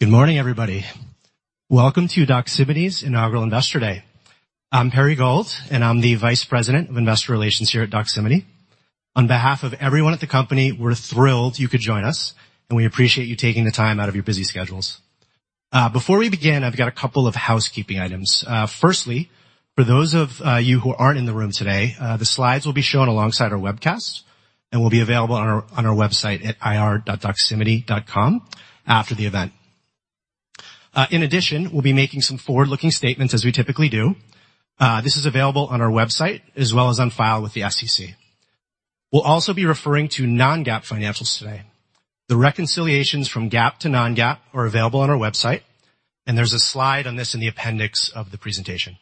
Good morning, everybody. Welcome to Doximity's Inaugural Investor Day. I'm Perry Gold, and I'm the Vice President of Investor Relations here at Doximity. On behalf of everyone at the company, we're thrilled you could join us, and we appreciate you taking the time out of your busy schedules. Before we begin, I've got a couple of housekeeping items. Firstly, for those of you who aren't in the room today, the slides will be shown alongside our webcast and will be available on our website at investors.doximity.com after the event. In addition, we'll be making some forward-looking statements, as we typically do. This is available on our website, as well as on file with the SEC. We'll also be referring to non-GAAP financials today. The reconciliations from GAAP to non-GAAP are available on our website, and there's a slide on this in the appendix of the presentation.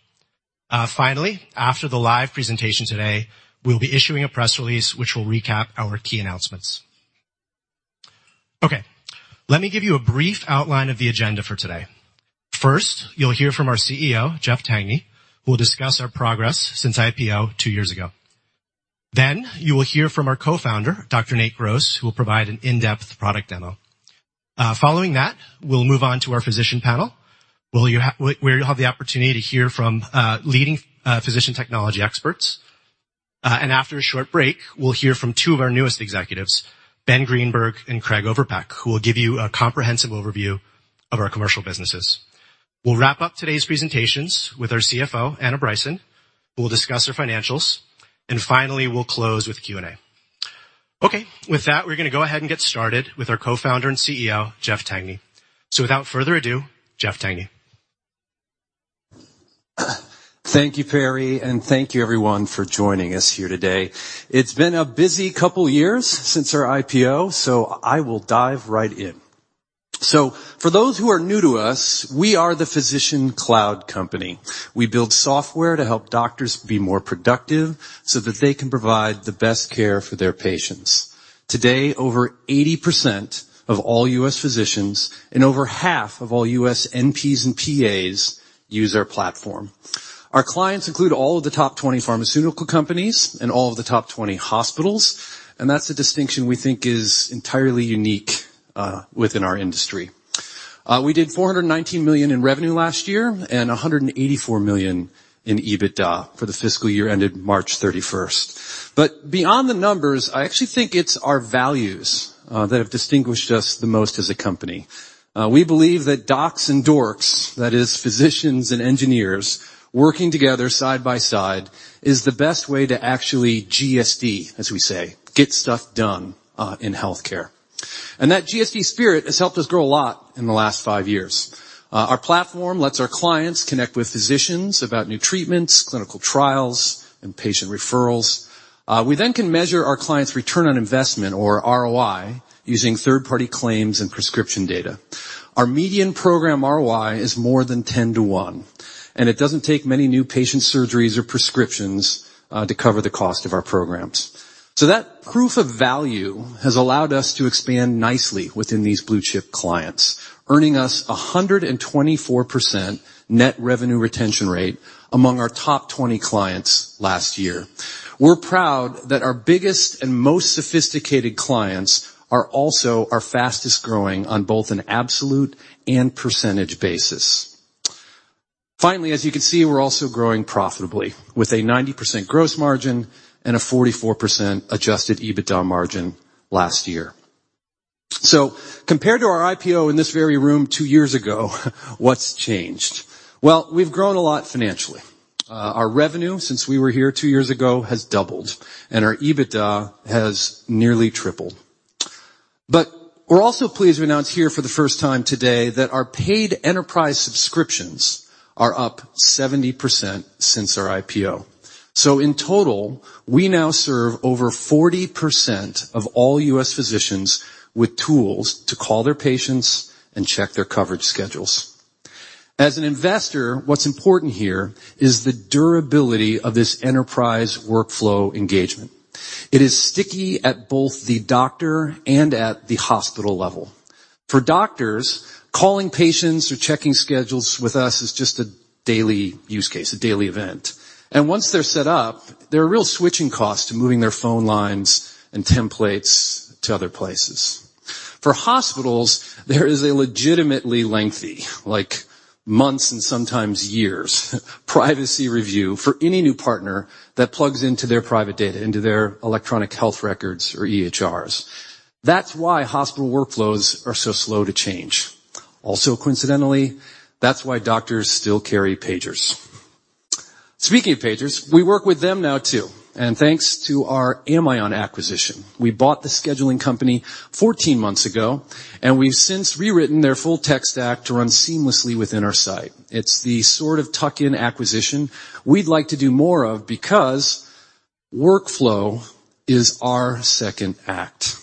Finally, after the live presentation today, we'll be issuing a press release, which will recap our key announcements. Okay, let me give you a brief outline of the agenda for today. First, you'll hear from our CEO, Jeff Tangney, who will discuss our progress since IPO two years ago. You will hear from our co-founder, Dr. Nate Gross, who will provide an in-depth product demo. Following that, we'll move on to our physician panel, where you'll have the opportunity to hear from leading physician technology experts. After a short break, we'll hear from two of our newest executives, Ben Greenberg and Craig Overpeck, who will give you a comprehensive overview of our commercial businesses. We'll wrap up today's presentations with our CFO, Anna Bryson, who will discuss our financials, and finally, we'll close with Q&A. Okay, with that, we're gonna go ahead and get started with our Co-Founder and CEO, Jeff Tangney. Without further ado, Jeff Tangney. Thank you, Perry, and thank you, everyone, for joining us here today. It's been a busy couple of years since our IPO, so I will dive right in. For those who are new to us, we are the physician cloud company. We build software to help doctors be more productive, so that they can provide the best care for their patients. Today, over 80% of all U.S. physicians and over half of all U.S. NPs and PAs use our platform. Our clients include all of the top 20 pharmaceutical companies and all of the top 20 hospitals, and that's a distinction we think is entirely unique within our industry. We did $419 million in revenue last year, and $184 million in EBITDA for the fiscal year ended March 31st. Beyond the numbers, I actually think it's our values that have distinguished us the most as a company. We believe that docs and dorks, that is, physicians and engineers, working together side by side, is the best way to actually GSD, as we say, get stuff done in healthcare. That GSD spirit has helped us grow a lot in the last five years. Our platform lets our clients connect with physicians about new treatments, clinical trials, and patient referrals. We then can measure our client's return on investment or ROI, using third-party claims and prescription data. Our median program ROI is more than 10 to one, and it doesn't take many new patient surgeries or prescriptions to cover the cost of our programs. That proof of value has allowed us to expand nicely within these blue-chip clients, earning us a 124% net revenue retention rate among our top 20 clients last year. We're proud that our biggest and most sophisticated clients are also our fastest-growing on both an absolute and percentage basis. Finally, as you can see, we're also growing profitably, with a 90% gross margin and a 44% adjusted EBITDA margin last year. Compared to our IPO in this very room two years ago, what's changed? We've grown a lot financially. Our revenue, since we were here two years ago, has doubled, and our EBITDA has nearly tripled. We're also pleased to announce here for the first time today that our paid enterprise subscriptions are up 70% since our IPO. In total, we now serve over 40% of all U.S. physicians with tools to call their patients and check their coverage schedules. As an investor, what's important here is the durability of this enterprise workflow engagement. It is sticky at both the doctor and at the hospital level. For doctors, calling patients or checking schedules with us is just a daily use case, a daily event, and once they're set up, there are real switching costs to moving their phone lines and templates to other places. For hospitals, there is a legitimately lengthy, like, months and sometimes years, privacy review for any new partner that plugs into their private data, into their electronic health records or EHRs. That's why hospital workflows are so slow to change. Coincidentally, that's why doctors still carry pagers. Speaking of pagers, we work with them now, too, and thanks to our Amion acquisition. We bought the scheduling company 14 months ago, and we've since rewritten their full tech stack to run seamlessly within our site. It's the sort of tuck-in acquisition we'd like to do more of, because workflow is our second act.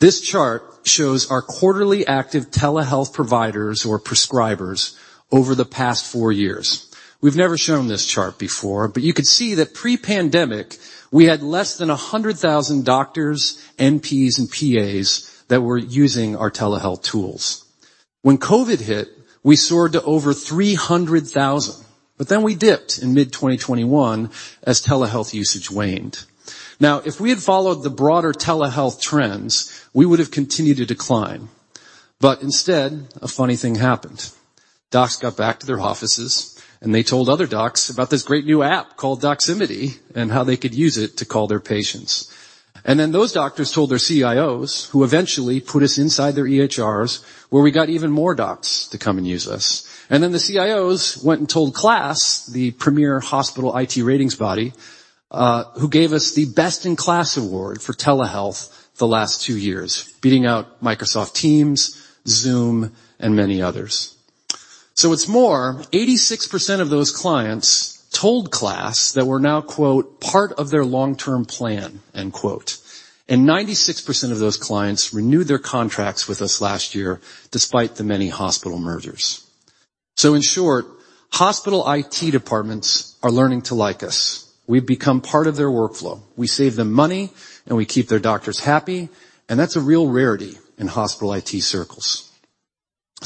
This chart shows our quarterly active telehealth providers or prescribers over the past four years. We've never shown this chart before, but you could see that pre-pandemic, we had less than 100,000 doctors, NPs, and PAs that were using our telehealth tools. When COVID hit, we soared to over 300,000, but then we dipped in mid-2021 as telehealth usage waned. Now, if we had followed the broader telehealth trends, we would have continued to decline. Instead, a funny thing happened. Docs got back to their offices, and they told other docs about this great new app called Doximity, and how they could use it to call their patients. Those doctors told their CIOs, who eventually put us inside their EHRs, where we got even more docs to come and use us. The CIOs went and told KLAS, the premier hospital IT ratings body, who gave us the Best in KLAS award for telehealth the last two years, beating out Microsoft Teams, Zoom, and many others. What's more, 86% of those clients told KLAS that we're now, quote, part of their long-term plan, end quote. 96% of those clients renewed their contracts with us last year, despite the many hospital mergers. In short, hospital IT departments are learning to like us. We've become part of their workflow. We save them money, we keep their doctors happy, and that's a real rarity in hospital IT circles.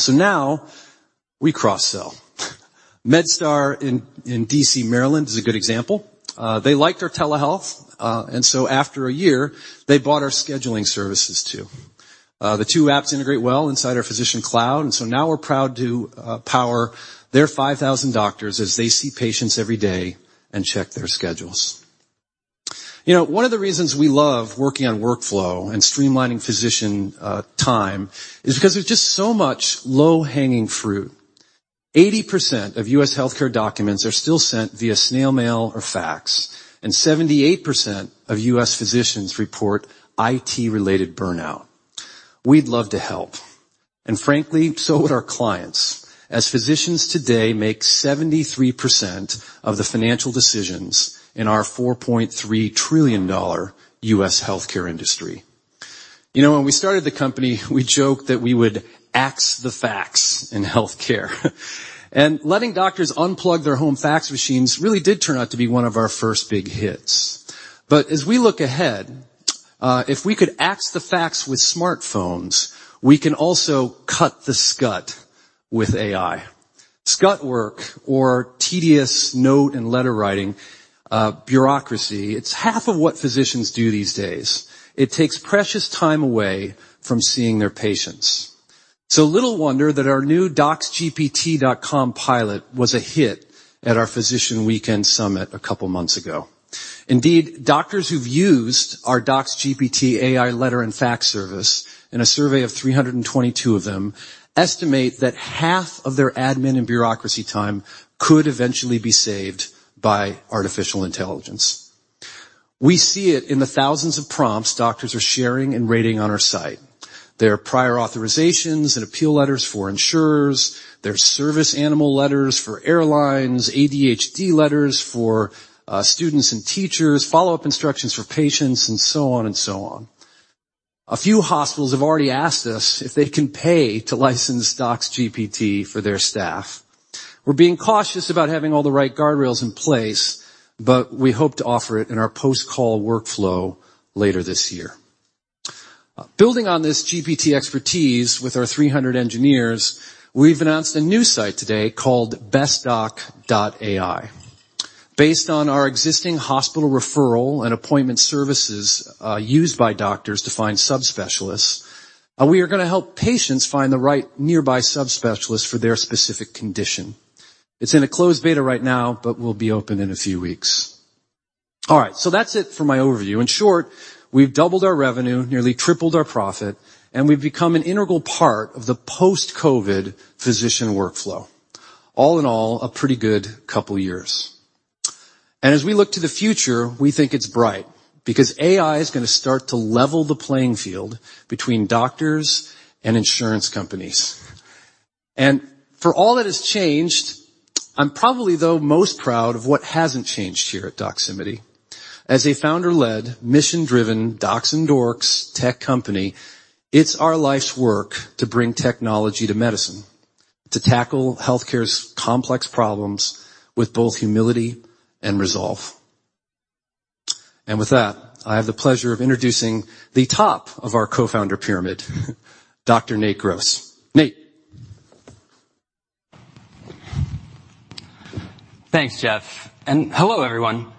Now we cross-sell. MedStar in D.C., Maryland, is a good example. They liked our telehealth, after a year, they bought our scheduling services, too. The two apps integrate well inside our physician cloud, now we're proud to power their 5,000 doctors as they see patients every day and check their schedules. You know, one of the reasons we love working on workflow and streamlining physician time, is because there's just so much low-hanging fruit. 80% of U.S. healthcare documents are still sent via snail mail or fax, and 78% of U.S. physicians report IT-related burnout. We'd love to help, and frankly, so would our clients, as physicians today make 73% of the financial decisions in our $4.3 trillion U.S. healthcare industry. You know, when we started the company, we joked that we would ax the fax in healthcare. Letting doctors unplug their home fax machines really did turn out to be one of our first big hits. As we look ahead, if we could ax the fax with smartphones, we can also cut the scut with AI. Scut work, or tedious note and letter writing, bureaucracy, it's half of what physicians do these days. It takes precious time away from seeing their patients. Little wonder that our new DoxGPT.com pilot was a hit at our Physician Weekend Summit a couple months ago. Indeed, doctors who've used our DoxGPT AI letter and fax service, in a survey of 322 of them, estimate that half of their admin and bureaucracy time could eventually be saved by artificial intelligence. We see it in the thousands of prompts doctors are sharing and rating on our site. There are prior authorizations and appeal letters for insurers, there's service animal letters for airlines, ADHD letters for students and teachers, follow-up instructions for patients, and so on and so on. A few hospitals have already asked us if they can pay to license DoxGPT for their staff. We're being cautious about having all the right guardrails in place, we hope to offer it in our post-call workflow later this year. Building on this GPT expertise with our 300 engineers, we've announced a new site today called BestDoc.ai. Based on our existing hospital referral and appointment services, used by doctors to find subspecialists, we are gonna help patients find the right nearby subspecialists for their specific condition. It's in a closed beta right now, but will be open in a few weeks. All right, that's it for my overview. In short, we've doubled our revenue, nearly tripled our profit, and we've become an integral part of the post-COVID physician workflow. All in all, a pretty good couple years. As we look to the future, we think it's bright, because AI is gonna start to level the playing field between doctors and insurance companies. For all that has changed, I'm probably, though, most proud of what hasn't changed here at Doximity. As a founder-led, mission-driven docs and dorks tech company, it's our life's work to bring technology to medicine, to tackle healthcare's complex problems with both humility and resolve. With that, I have the pleasure of introducing the top of our co-founder pyramid, Dr. Nate Gross. Nate? Thanks, Jeff. Hello, everyone.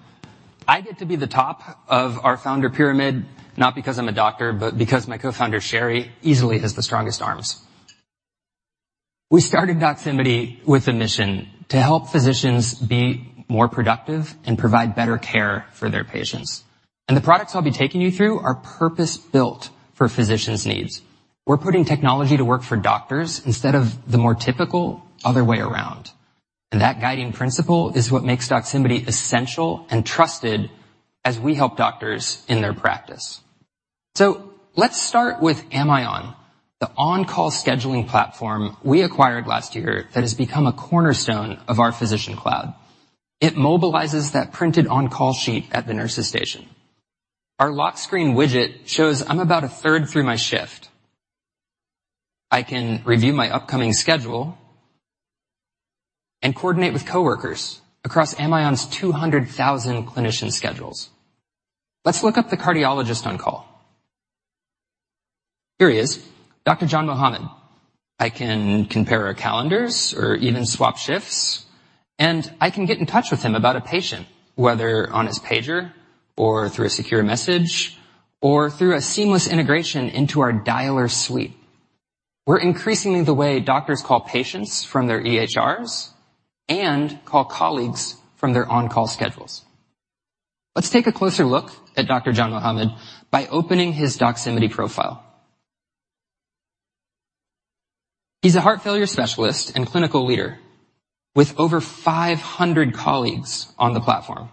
I get to be the top of our founder pyramid, not because I'm a doctor, because my co-founder, Shari, easily has the strongest arms. We started Doximity with a mission: to help physicians be more productive and provide better care for their patients. The products I'll be taking you through are purpose-built for physicians' needs. We're putting technology to work for doctors instead of the more typical other way around. That guiding principle is what makes Doximity essential and trusted as we help doctors in their practice. Let's start with Amion, the on-call scheduling platform we acquired last year that has become a cornerstone of our physician cloud. It mobilizes that printed on-call sheet at the nurse's station. Our lock screen widget shows I'm about 1/3 through my shift. I can review my upcoming schedule and coordinate with coworkers across Amion's 200,000 clinician schedules. Let's look up the cardiologist on call. Here he is, Dr. John Mohammed. I can compare our calendars or even swap shifts, and I can get in touch with him about a patient, whether on his pager or through a secure message, or through a seamless integration into our Dialer suite. We're increasingly the way doctors call patients from their EHRs and call colleagues from their on-call schedules. Let's take a closer look at Dr. John Mohammed by opening his Doximity profile. He's a heart failure specialist and clinical leader with over 500 colleagues on the platform.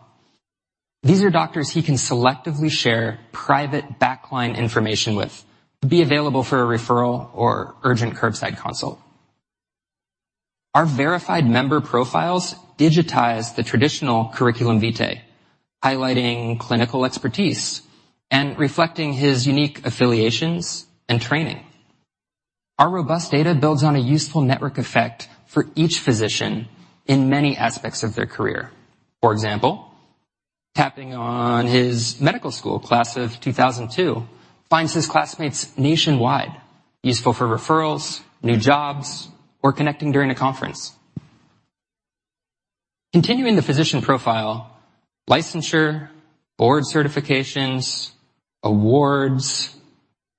These are doctors he can selectively share private backline information with to be available for a referral or urgent curbside consult. Our verified member profiles digitize the traditional curriculum vitae, highlighting clinical expertise and reflecting his unique affiliations and training. Our robust data builds on a useful network effect for each physician in many aspects of their career. For example, tapping on his medical school, class of 2002, finds his classmates nationwide, useful for referrals, new jobs, or connecting during a conference. Continuing the physician profile, licensure, board certifications, awards,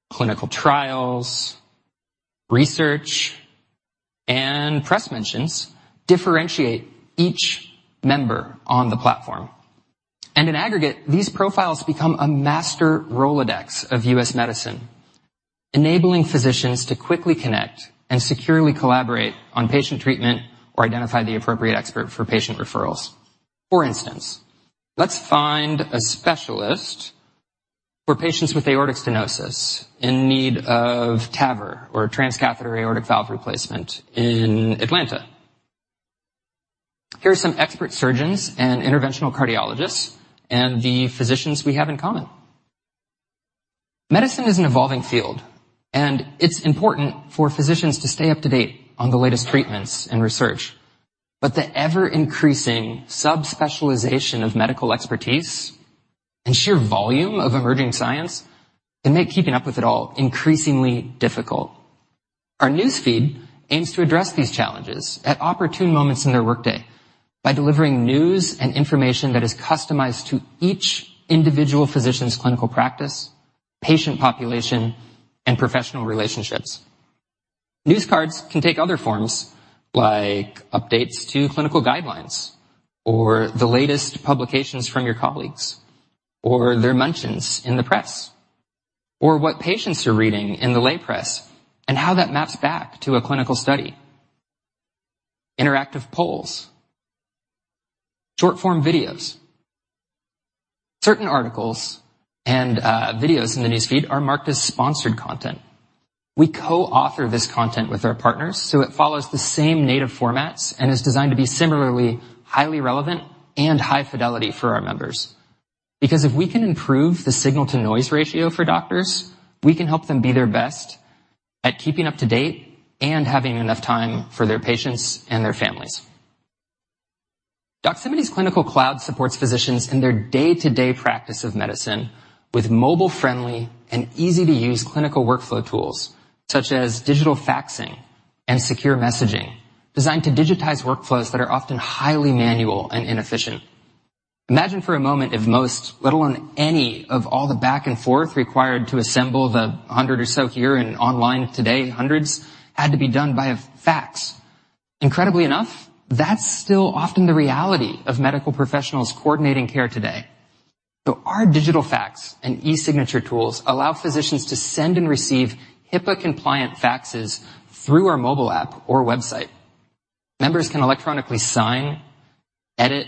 clinical trials, research, and press mentions differentiate each member on the platform, and in aggregate, these profiles become a master rolodex of U.S. medicine, enabling physicians to quickly connect and securely collaborate on patient treatment or identify the appropriate expert for patient referrals. For instance, let's find a specialist for patients with aortic stenosis in need of TAVR or transcatheter aortic valve replacement in Atlanta. Here are some expert surgeons and interventional cardiologists and the physicians we have in common. Medicine is an evolving field. It's important for physicians to stay up to date on the latest treatments and research. The ever-increasing subspecialization of medical expertise and sheer volume of emerging science can make keeping up with it all increasingly difficult. Our news feed aims to address these challenges at opportune moments in their workday by delivering news and information that is customized to each individual physician's clinical practice, patient population, and professional relationships. News cards can take other forms, like updates to clinical guidelines or the latest publications from your colleagues, or their mentions in the press, or what patients are reading in the lay press and how that maps back to a clinical study. Interactive polls, short-form videos. Certain articles and videos in the news feed are marked as sponsored content. We co-author this content with our partners. It follows the same native formats and is designed to be similarly highly relevant and high fidelity for our members. If we can improve the signal-to-noise ratio for doctors, we can help them be their best at keeping up to date and having enough time for their patients and their families. Doximity Clinical Cloud supports physicians in their day-to-day practice of medicine with mobile-friendly and easy-to-use clinical workflow tools such as digital faxing and secure messaging, designed to digitize workflows that are often highly manual and inefficient. Imagine for a moment if most, let alone any, of all the back and forth required to assemble the 100 or so here and online today, hundreds, had to be done by a fax. Incredibly enough, that's still often the reality of medical professionals coordinating care today. Our digital fax and e-signature tools allow physicians to send and receive HIPAA-compliant faxes through our mobile app or website. Members can electronically sign, edit,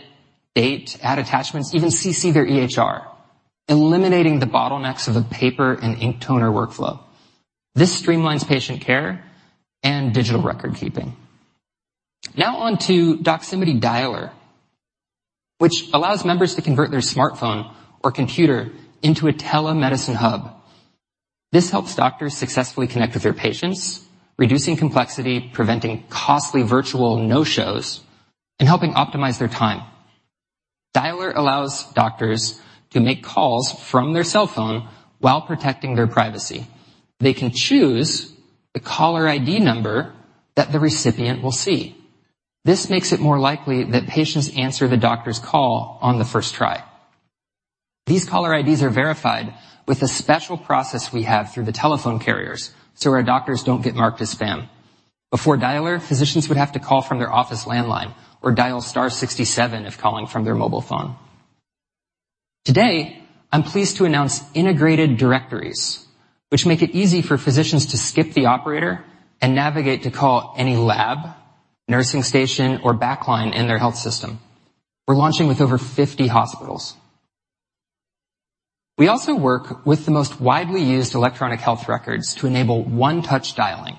date, add attachments, even CC their EHR, eliminating the bottlenecks of the paper and ink toner workflow. This streamlines patient care and digital record keeping. On to Doximity Dialer, which allows members to convert their smartphone or computer into a telemedicine hub. This helps doctors successfully connect with their patients, reducing complexity, preventing costly virtual no-shows, and helping optimize their time. Dialer allows doctors to make calls from their cell phone while protecting their privacy. They can choose the caller ID number that the recipient will see. This makes it more likely that patients answer the doctor's call on the first try. These caller IDs are verified with a special process we have through the telephone carriers, so our doctors don't get marked as spam. Before Dialer, physicians would have to call from their office landline or dial star 67 if calling from their mobile phone. Today, I'm pleased to announce integrated directories, which make it easy for physicians to skip the operator and navigate to call any lab, nursing station, or backline in their health system. We're launching with over 50 hospitals. We also work with the most widely used electronic health records to enable one-touch dialing,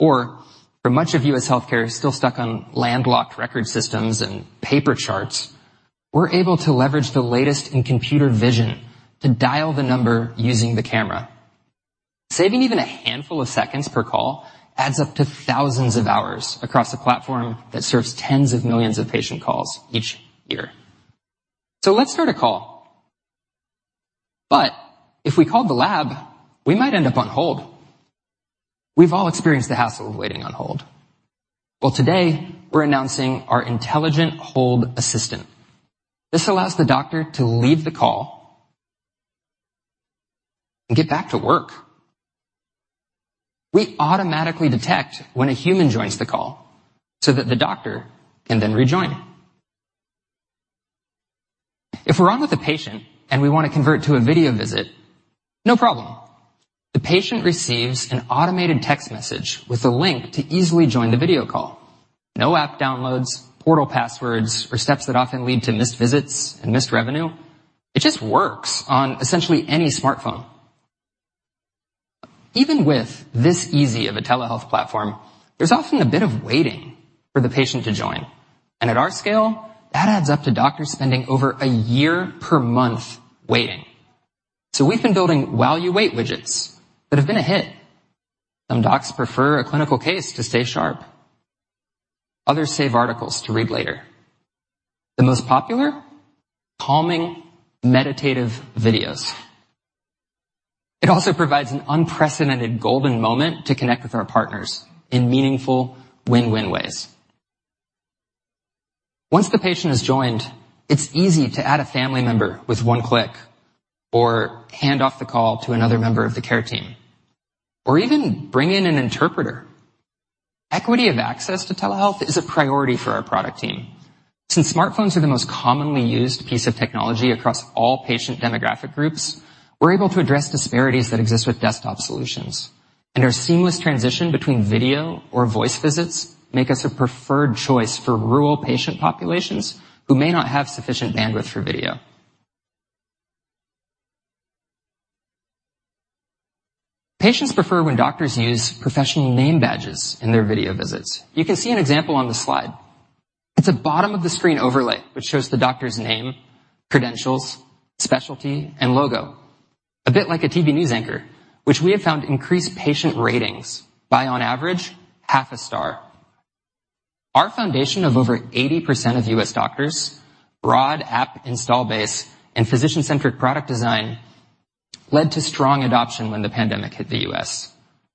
or for much of U.S. healthcare still stuck on land-locked record systems and paper charts, we're able to leverage the latest in computer vision to dial the number using the camera. Saving even a handful of seconds per call adds up to thousands of hours across a platform that serves tens of millions of patient calls each year. Let's start a call. If we called the lab, we might end up on hold. We've all experienced the hassle of waiting on hold. Well, today, we're announcing our intelligent hold assistant. This allows the doctor to leave the call and get back to work. We automatically detect when a human joins the call so that the doctor can then rejoin. If we're on with a patient and we want to convert to a video visit, no problem. The patient receives an automated text message with a link to easily join the video call. No app downloads, portal passwords, or steps that often lead to missed visits and missed revenue. It just works on essentially any smartphone. Even with this easy of a telehealth platform, there's often a bit of waiting for the patient to join. At our scale, that adds up to doctors spending over a year per month waiting. We've been building while you wait widgets that have been a hit. Some docs prefer a clinical case to stay sharp, others save articles to read later. The most popular, calming, meditative videos. It also provides an unprecedented golden moment to connect with our partners in meaningful win-win ways. Once the patient has joined, it's easy to add a family member with one click, or hand off the call to another member of the care team, or even bring in an interpreter. Equity of access to telehealth is a priority for our product team. Since smartphones are the most commonly used piece of technology across all patient demographic groups, we're able to address disparities that exist with desktop solutions. Our seamless transition between video or voice visits make us a preferred choice for rural patient populations who may not have sufficient bandwidth for video. Patients prefer when doctors use professional name badges in their video visits. You can see an example on the slide. It's a bottom-of-the-screen overlay, which shows the doctor's name, credentials, specialty, and logo, a bit like a TV news anchor, which we have found increased patient ratings by, on average, half a star. Our foundation of over 80% of U.S. doctors, broad app install base, and physician-centric product design led to strong adoption when the pandemic hit the U.S.,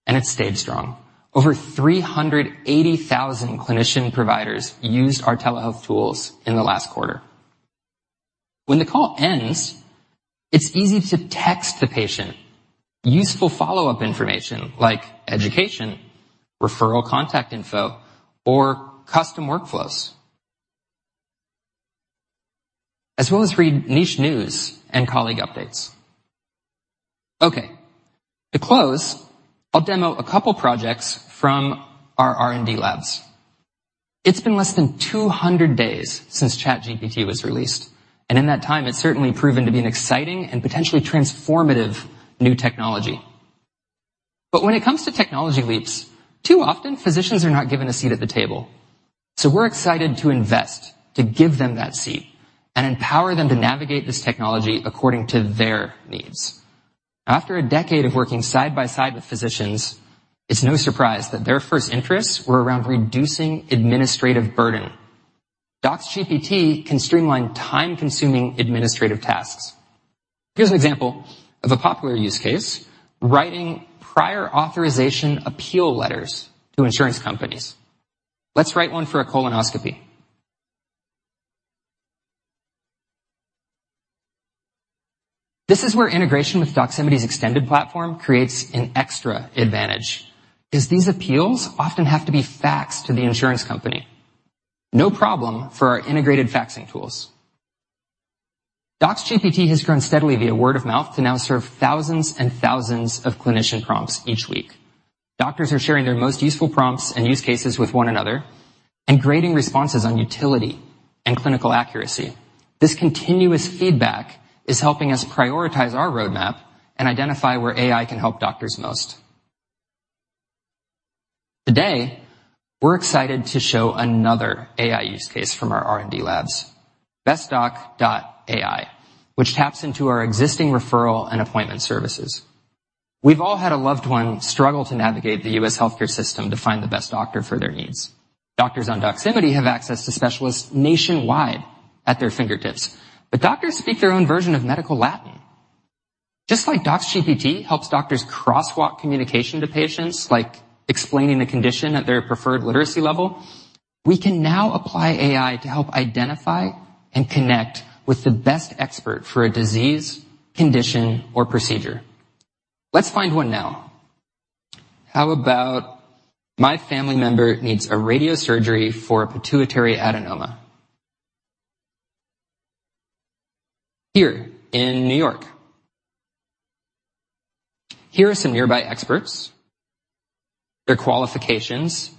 and it stayed strong. Over 380,000 clinician providers used our telehealth tools in the last quarter. When the call ends, it's easy to text the patient useful follow-up information like education, referral, contact info, or custom workflows, as well as read niche news and colleague updates. To close, I'll demo a couple projects from our R&D labs. It's been less than 200 days since ChatGPT was released, in that time, it's certainly proven to be an exciting and potentially transformative new technology. When it comes to technology leaps, too often physicians are not given a seat at the table. We're excited to invest, to give them that seat and empower them to navigate this technology according to their needs. After a decade of working side by side with physicians, it's no surprise that their first interests were around reducing administrative burden. DoxGPT can streamline time-consuming administrative tasks. Here's an example of a popular use case, writing prior authorization appeal letters to insurance companies. Let's write one for a colonoscopy. This is where integration with Doximity's extended platform creates an extra advantage. These appeals often have to be faxed to the insurance company. No problem for our integrated faxing tools. DoxGPT has grown steadily via word of mouth to now serve thousands and thousands of clinician prompts each week. Doctors are sharing their most useful prompts and use cases with one another and grading responses on utility and clinical accuracy. This continuous feedback is helping us prioritize our roadmap and identify where AI can help doctors most. Today, we're excited to show another AI use case from our R&D labs, BestDoc.ai, which taps into our existing referral and appointment services. We've all had a loved one struggle to navigate the U.S. healthcare system to find the best doctor for their needs. Doctors on Doximity have access to specialists nationwide at their fingertips. Doctors speak their own version of medical Latin. Just like DoxGPT helps doctors crosswalk communication to patients, like explaining the condition at their preferred literacy level, we can now apply AI to help identify and connect with the best expert for a disease, condition, or procedure. Let's find one now. How about, "My family member needs a radiosurgery for a pituitary adenoma?" Here in New York. Here are some nearby experts, their qualifications,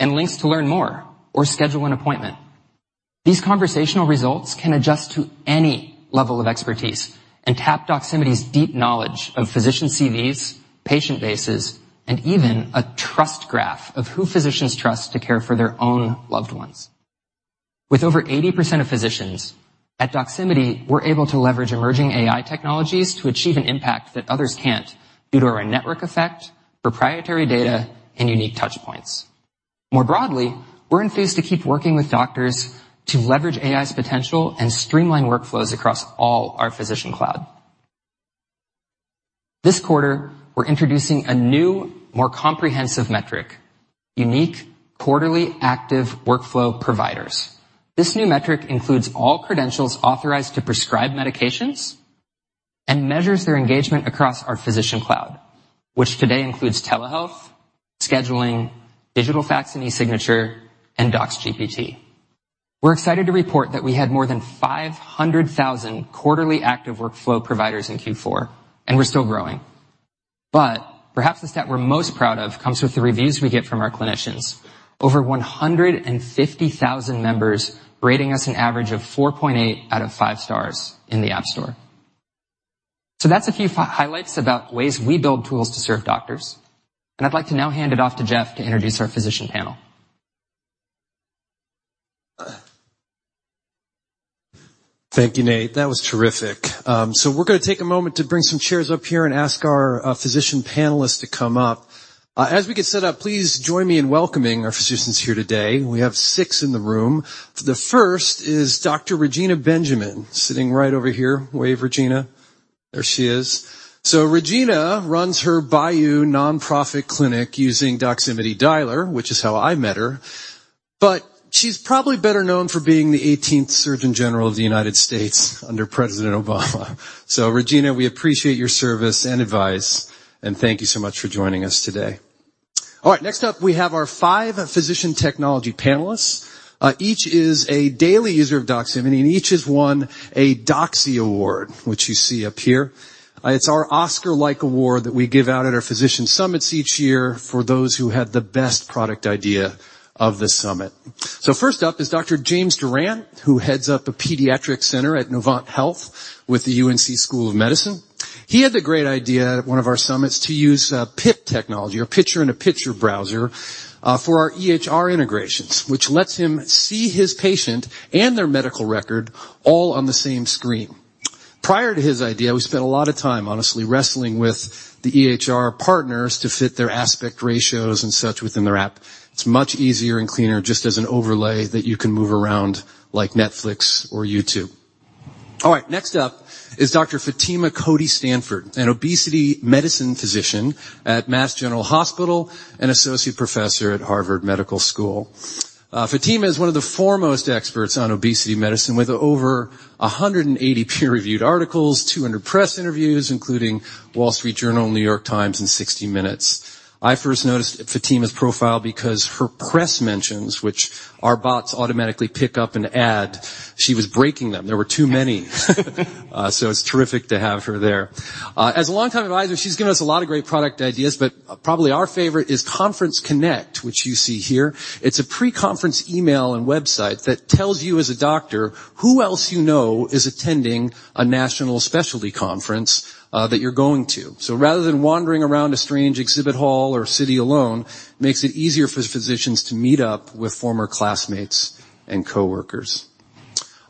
and links to learn more or schedule an appointment. These conversational results can adjust to any level of expertise and tap Doximity's deep knowledge of physician CVs, patient bases, and even a trust graph of who physicians trust to care for their own loved ones. With over 80% of physicians, at Doximity, we're able to leverage emerging AI technologies to achieve an impact that others can't due to our network effect, proprietary data, and unique touch points. More broadly, we're enthused to keep working with doctors to leverage AI's potential and streamline workflows across all our physician cloud. This quarter, we're introducing a new, more comprehensive metric, unique quarterly active workflow providers. This new metric includes all credentials authorized to prescribe medications and measures their engagement across our physician cloud, which today includes telehealth, scheduling, digital fax and e-signature, and DoxGPT. We're excited to report that we had more than 500,000 quarterly active workflow providers in Q4, and we're still growing. Perhaps the stat we're most proud of comes with the reviews we get from our clinicians. Over 150,000 members rating us an average of 4.8 out of 5 stars in the App Store. That's a few highlights about ways we build tools to serve doctors, and I'd like to now hand it off to Jeff to introduce our physician panel. Thank you, Nate. That was terrific. We're gonna take a moment to bring some chairs up here and ask our physician panelists to come up. As we get set up, please join me in welcoming our physicians here today. We have six in the room. The first is Dr. Regina Benjamin, sitting right over here. Wave, Regina. There she is. Regina runs her Bayou Nonprofit Clinic using Doximity Dialer, which is how I met her. She's probably better known for being the 18th Surgeon General of the United States under President Obama. Regina, we appreciate your service and advice, and thank you so much for joining us today. All right, next up, we have our five physician technology panelists. Each is a daily user of Doximity, and each has won a Doxy Award, which you see up here. It's our Oscar-like award that we give out at our Physician Summits each year for those who had the best product idea of the summit. First up is Dr. James DuRant, who heads up a pediatric center at Novant Health with the UNC School of Medicine. He had the great idea at one of our summits to use PIP technology or picture in a picture browser for our EHR integrations, which lets him see his patient and their medical record all on the same screen. Prior to his idea, we spent a lot of time, honestly, wrestling with the EHR partners to fit their aspect ratios and such within their app. It's much easier and cleaner just as an overlay that you can move around like Netflix or YouTube. Next up is Dr. Fatima Cody Stanford, an obesity medicine physician at Mass General Hospital and associate professor at Harvard Medical School. Fatima is one of the foremost experts on obesity medicine, with over 180 peer-reviewed articles, 200 press interviews, including The Wall Street Journal, The New York Times, and 60 Minutes. I first noticed Fatima's profile because her press mentions, which our bots automatically pick up and add, she was breaking them. There were too many. It's terrific to have her there. As a longtime advisor, she's given us a lot of great product ideas, but probably our favorite is Conference Connect, which you see here. It's a pre-conference e-mail and website that tells you, as a doctor, who else you know is attending a national specialty conference that you're going to. Rather than wandering around a strange exhibit hall or city alone, makes it easier for physicians to meet up with former classmates and coworkers.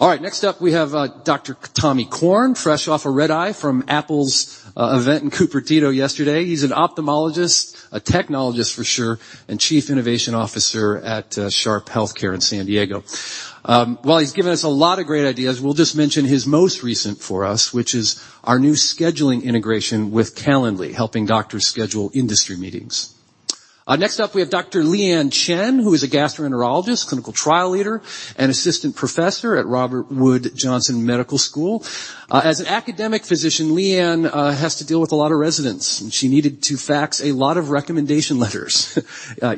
Next up, we have Dr. Tommy Korn, fresh off a red eye from Apple's event in Cupertino yesterday. He's an ophthalmologist, a technologist for sure, and chief innovation officer at Sharp HealthCare in San Diego. While he's given us a lot of great ideas, we'll just mention his most recent for us, which is our new scheduling integration with Calendly, helping doctors schedule industry meetings. Next up, we have Dr. Lea Ann Chen, who is a gastroenterologist, clinical trial leader, and assistant professor at Robert Wood Johnson Medical School. As an academic physician, Lea Anne has to deal with a lot of residents, and she needed to fax a lot of recommendation letters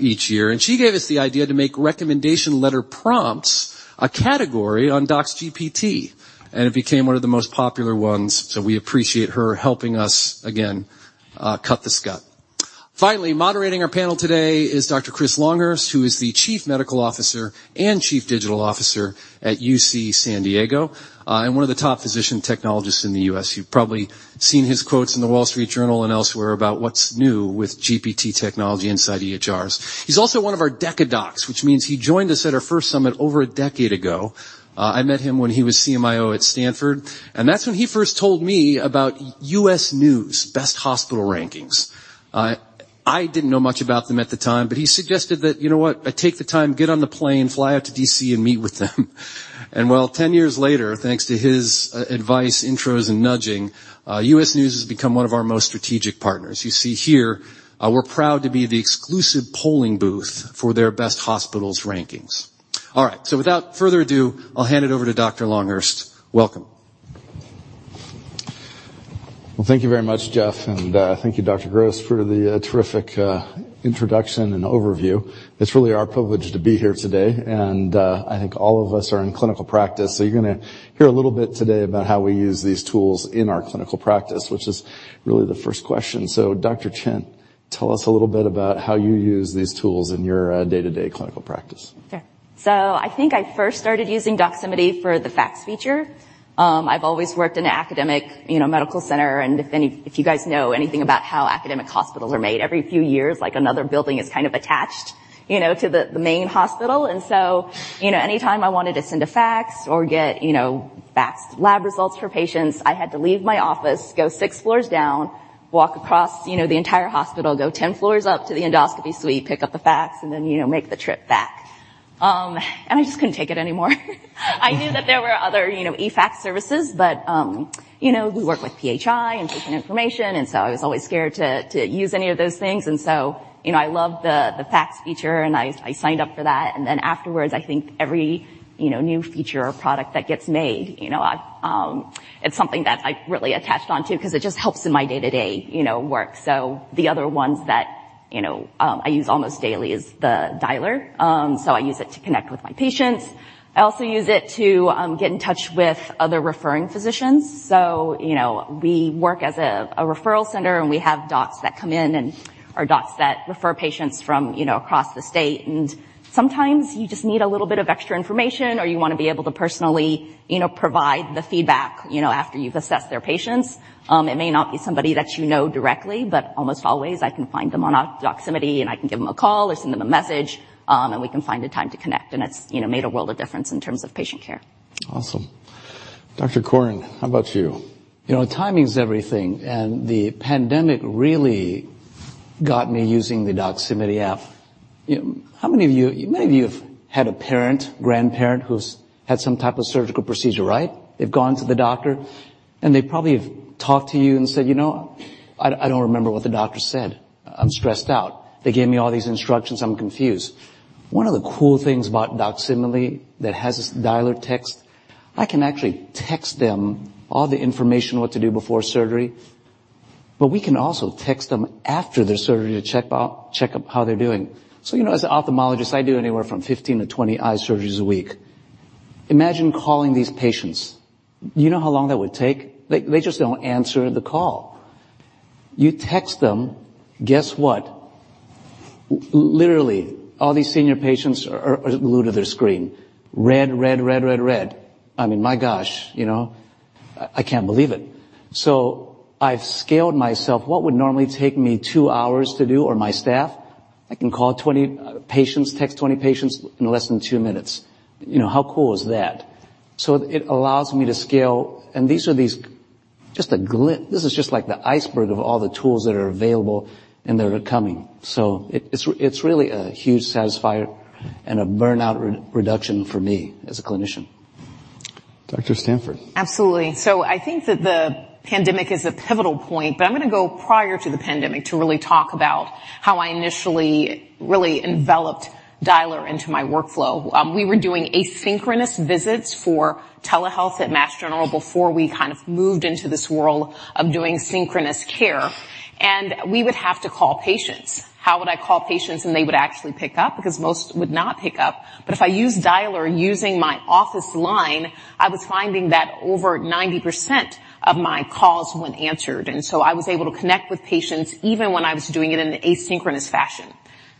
each year. She gave us the idea to make recommendation letter prompts, a category on DoxGPT, and it became one of the most popular ones. We appreciate her helping us again, cut the scut. Finally, moderating our panel today is Dr. Chris Longhurst, who is the chief medical officer and chief digital officer at UC San Diego, and one of the top physician technologists in the U.S. You've probably seen his quotes in The Wall Street Journal and elsewhere about what's new with GPT technology inside EHRs. He's also one of our Deca Docs, which means he joined us at our first summit over a decade ago. I met him when he was CMIO at Stanford, and that's when he first told me about U.S. News Best Hospitals rankings. I didn't know much about them at the time, but he suggested that, you know what? I take the time, get on the plane, fly out to D.C., and meet with them. Well, 10 years later, thanks to his advice, intros, and nudging, U.S. News has become one of our most strategic partners. You see here, we're proud to be the exclusive polling booth for their Best Hospitals rankings. All right, without further ado, I'll hand it over to Dr. Longhurst. Welcome. Thank you very much, Jeff, thank you, Dr. Gross, for the terrific introduction and overview. It's really our privilege to be here today, I think all of us are in clinical practice. You're gonna hear a little bit today about how we use these tools in our clinical practice, which is really the first question. Dr. Chen, tell us a little bit about how you use these tools in your day-to-day clinical practice. Sure. I think I first started using Doximity for the fax feature. I've always worked in academic, you know, medical center, and if you guys know anything about how academic hospitals are made, every few years, like, another building is kind of attached, you know, to the main hospital. Anytime I wanted to send a fax or get, you know, fax lab results for patients, I had to leave my office, go six floors down, walk across, you know, the entire hospital, go 10 floors up to the endoscopy suite, pick up the fax, and then, you know, make the trip back. I just couldn't take it anymore. I knew that there were other, you know, eFax services, but, you know, we work with PHI and patient information, I was always scared to use any of those things. You know, I love the fax feature, and I signed up for that. Afterwards, I think every, you know, new feature or product that gets made, you know, I, it's something that I really attached on to 'cause it just helps in my day-to-day, you know, work. The other ones that, you know, I use almost daily is the Dialer. I use it to connect with my patients. I also use it to get in touch with other referring physicians. You know, we work as a referral center, and we have docs that come in and, or docs that refer patients from, you know, across the state, and sometimes you just need a little bit of extra information, or you wanna be able to personally, you know, provide the feedback, you know, after you've assessed their patients. It may not be somebody that you know directly, but almost always I can find them on Doximity, and I can give them a call or send them a message, and we can find a time to connect, and it's, you know, made a world of difference in terms of patient care. Awesome. Dr. Korn, how about you? You know, timing is everything. The pandemic really got me using the Doximity app. You know, many of you have had a parent, grandparent, who's had some type of surgical procedure, right? They've gone to the doctor. They probably have talked to you and said, "You know, I don't remember what the doctor said. I'm stressed out. They gave me all these instructions. I'm confused." One of the cool things about Doximity that has this Dialer text, I can actually text them all the information, what to do before surgery. We can also text them after their surgery to check up how they're doing. You know, as an ophthalmologist, I do anywhere from 15-20 eye surgeries a week. Imagine calling these patients. You know how long that would take? They just don't answer the call. You text them, guess what? Literally, all these senior patients are glued to their screen. Red, red, red. I mean, my gosh, you know, I can't believe it. I've scaled myself. What would normally take me two hours to do, or my staff, I can call 20 patients, text 20 patients in less than two minutes. You know, how cool is that? It allows me to scale, and these are just like the iceberg of all the tools that are available, and they're coming. It's really a huge satisfier and a burnout re-reduction for me as a clinician. Dr. Stanford. Absolutely. I think that the pandemic is a pivotal point, but I'm gonna go prior to the pandemic to really talk about how I initially really enveloped Dialer into my workflow. We were doing asynchronous visits for telehealth at Mass General before we kind of moved into this world of doing synchronous care, and we would have to call patients. How would I call patients, and they would actually pick up? Because most would not pick up. If I use Dialer using my office line, I was finding that over 90% of my calls went answered, and so I was able to connect with patients even when I was doing it in an asynchronous fashion.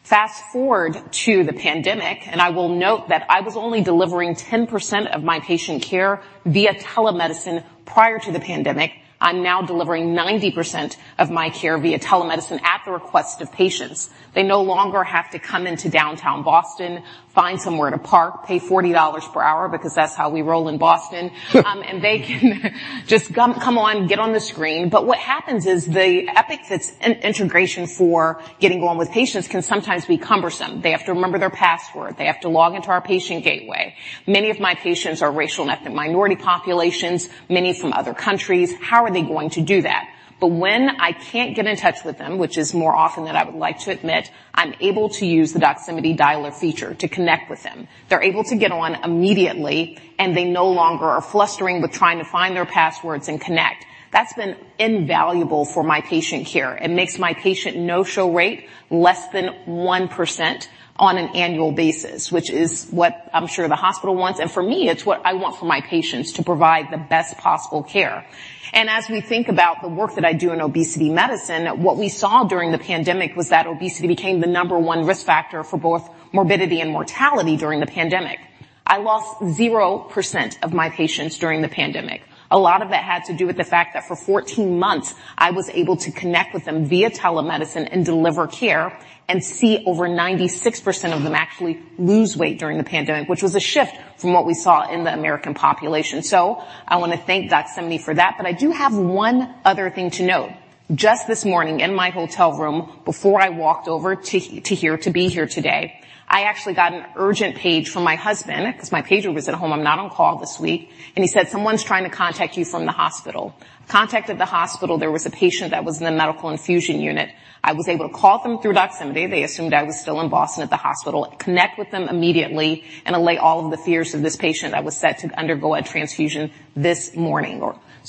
Fast-forward to the pandemic, and I will note that I was only delivering 10% of my patient care via telemedicine prior to the pandemic. I'm now delivering 90% of my care via telemedicine at the request of patients. They no longer have to come into downtown Boston, find somewhere to park, pay $40 per hour because that's how we roll in Boston. They can just come on, get on the screen. What happens is the Epic's in-integration for getting going with patients can sometimes be cumbersome. They have to remember their password. They have to log into our patient gateway. Many of my patients are racial and ethnic minority populations, many from other countries. How are they going to do that? When I can't get in touch with them, which is more often than I would like to admit, I'm able to use the Doximity Dialer feature to connect with them. They're able to get on immediately, and they no longer are flustering with trying to find their passwords and connect. That's been invaluable for my patient care. It makes my patient no-show rate less than 1% on an annual basis, which is what I'm sure the hospital wants. For me, it's what I want for my patients, to provide the best possible care. As we think about the work that I do in obesity medicine, what we saw during the pandemic was that obesity became the number one risk factor for both morbidity and mortality during the pandemic. I lost 0% of my patients during the pandemic. A lot of that had to do with the fact that for 14 months, I was able to connect with them via telemedicine and deliver care and see over 96% of them actually lose weight during the pandemic, which was a shift from what we saw in the American population. I wanna thank Doximity for that, but I do have one other thing to note. Just this morning in my hotel room, before I walked over to here, to be here today, I actually got an urgent page from my husband, because my pager was at home. I'm not on call this week. He said: "Someone's trying to contact you from the hospital." Contacted the hospital, there was a patient that was in the medical infusion unit. I was able to call them through Doximity. They assumed I was still in Boston at the hospital, connect with them immediately, and allay all of the fears of this patient that was set to undergo a transfusion this morning.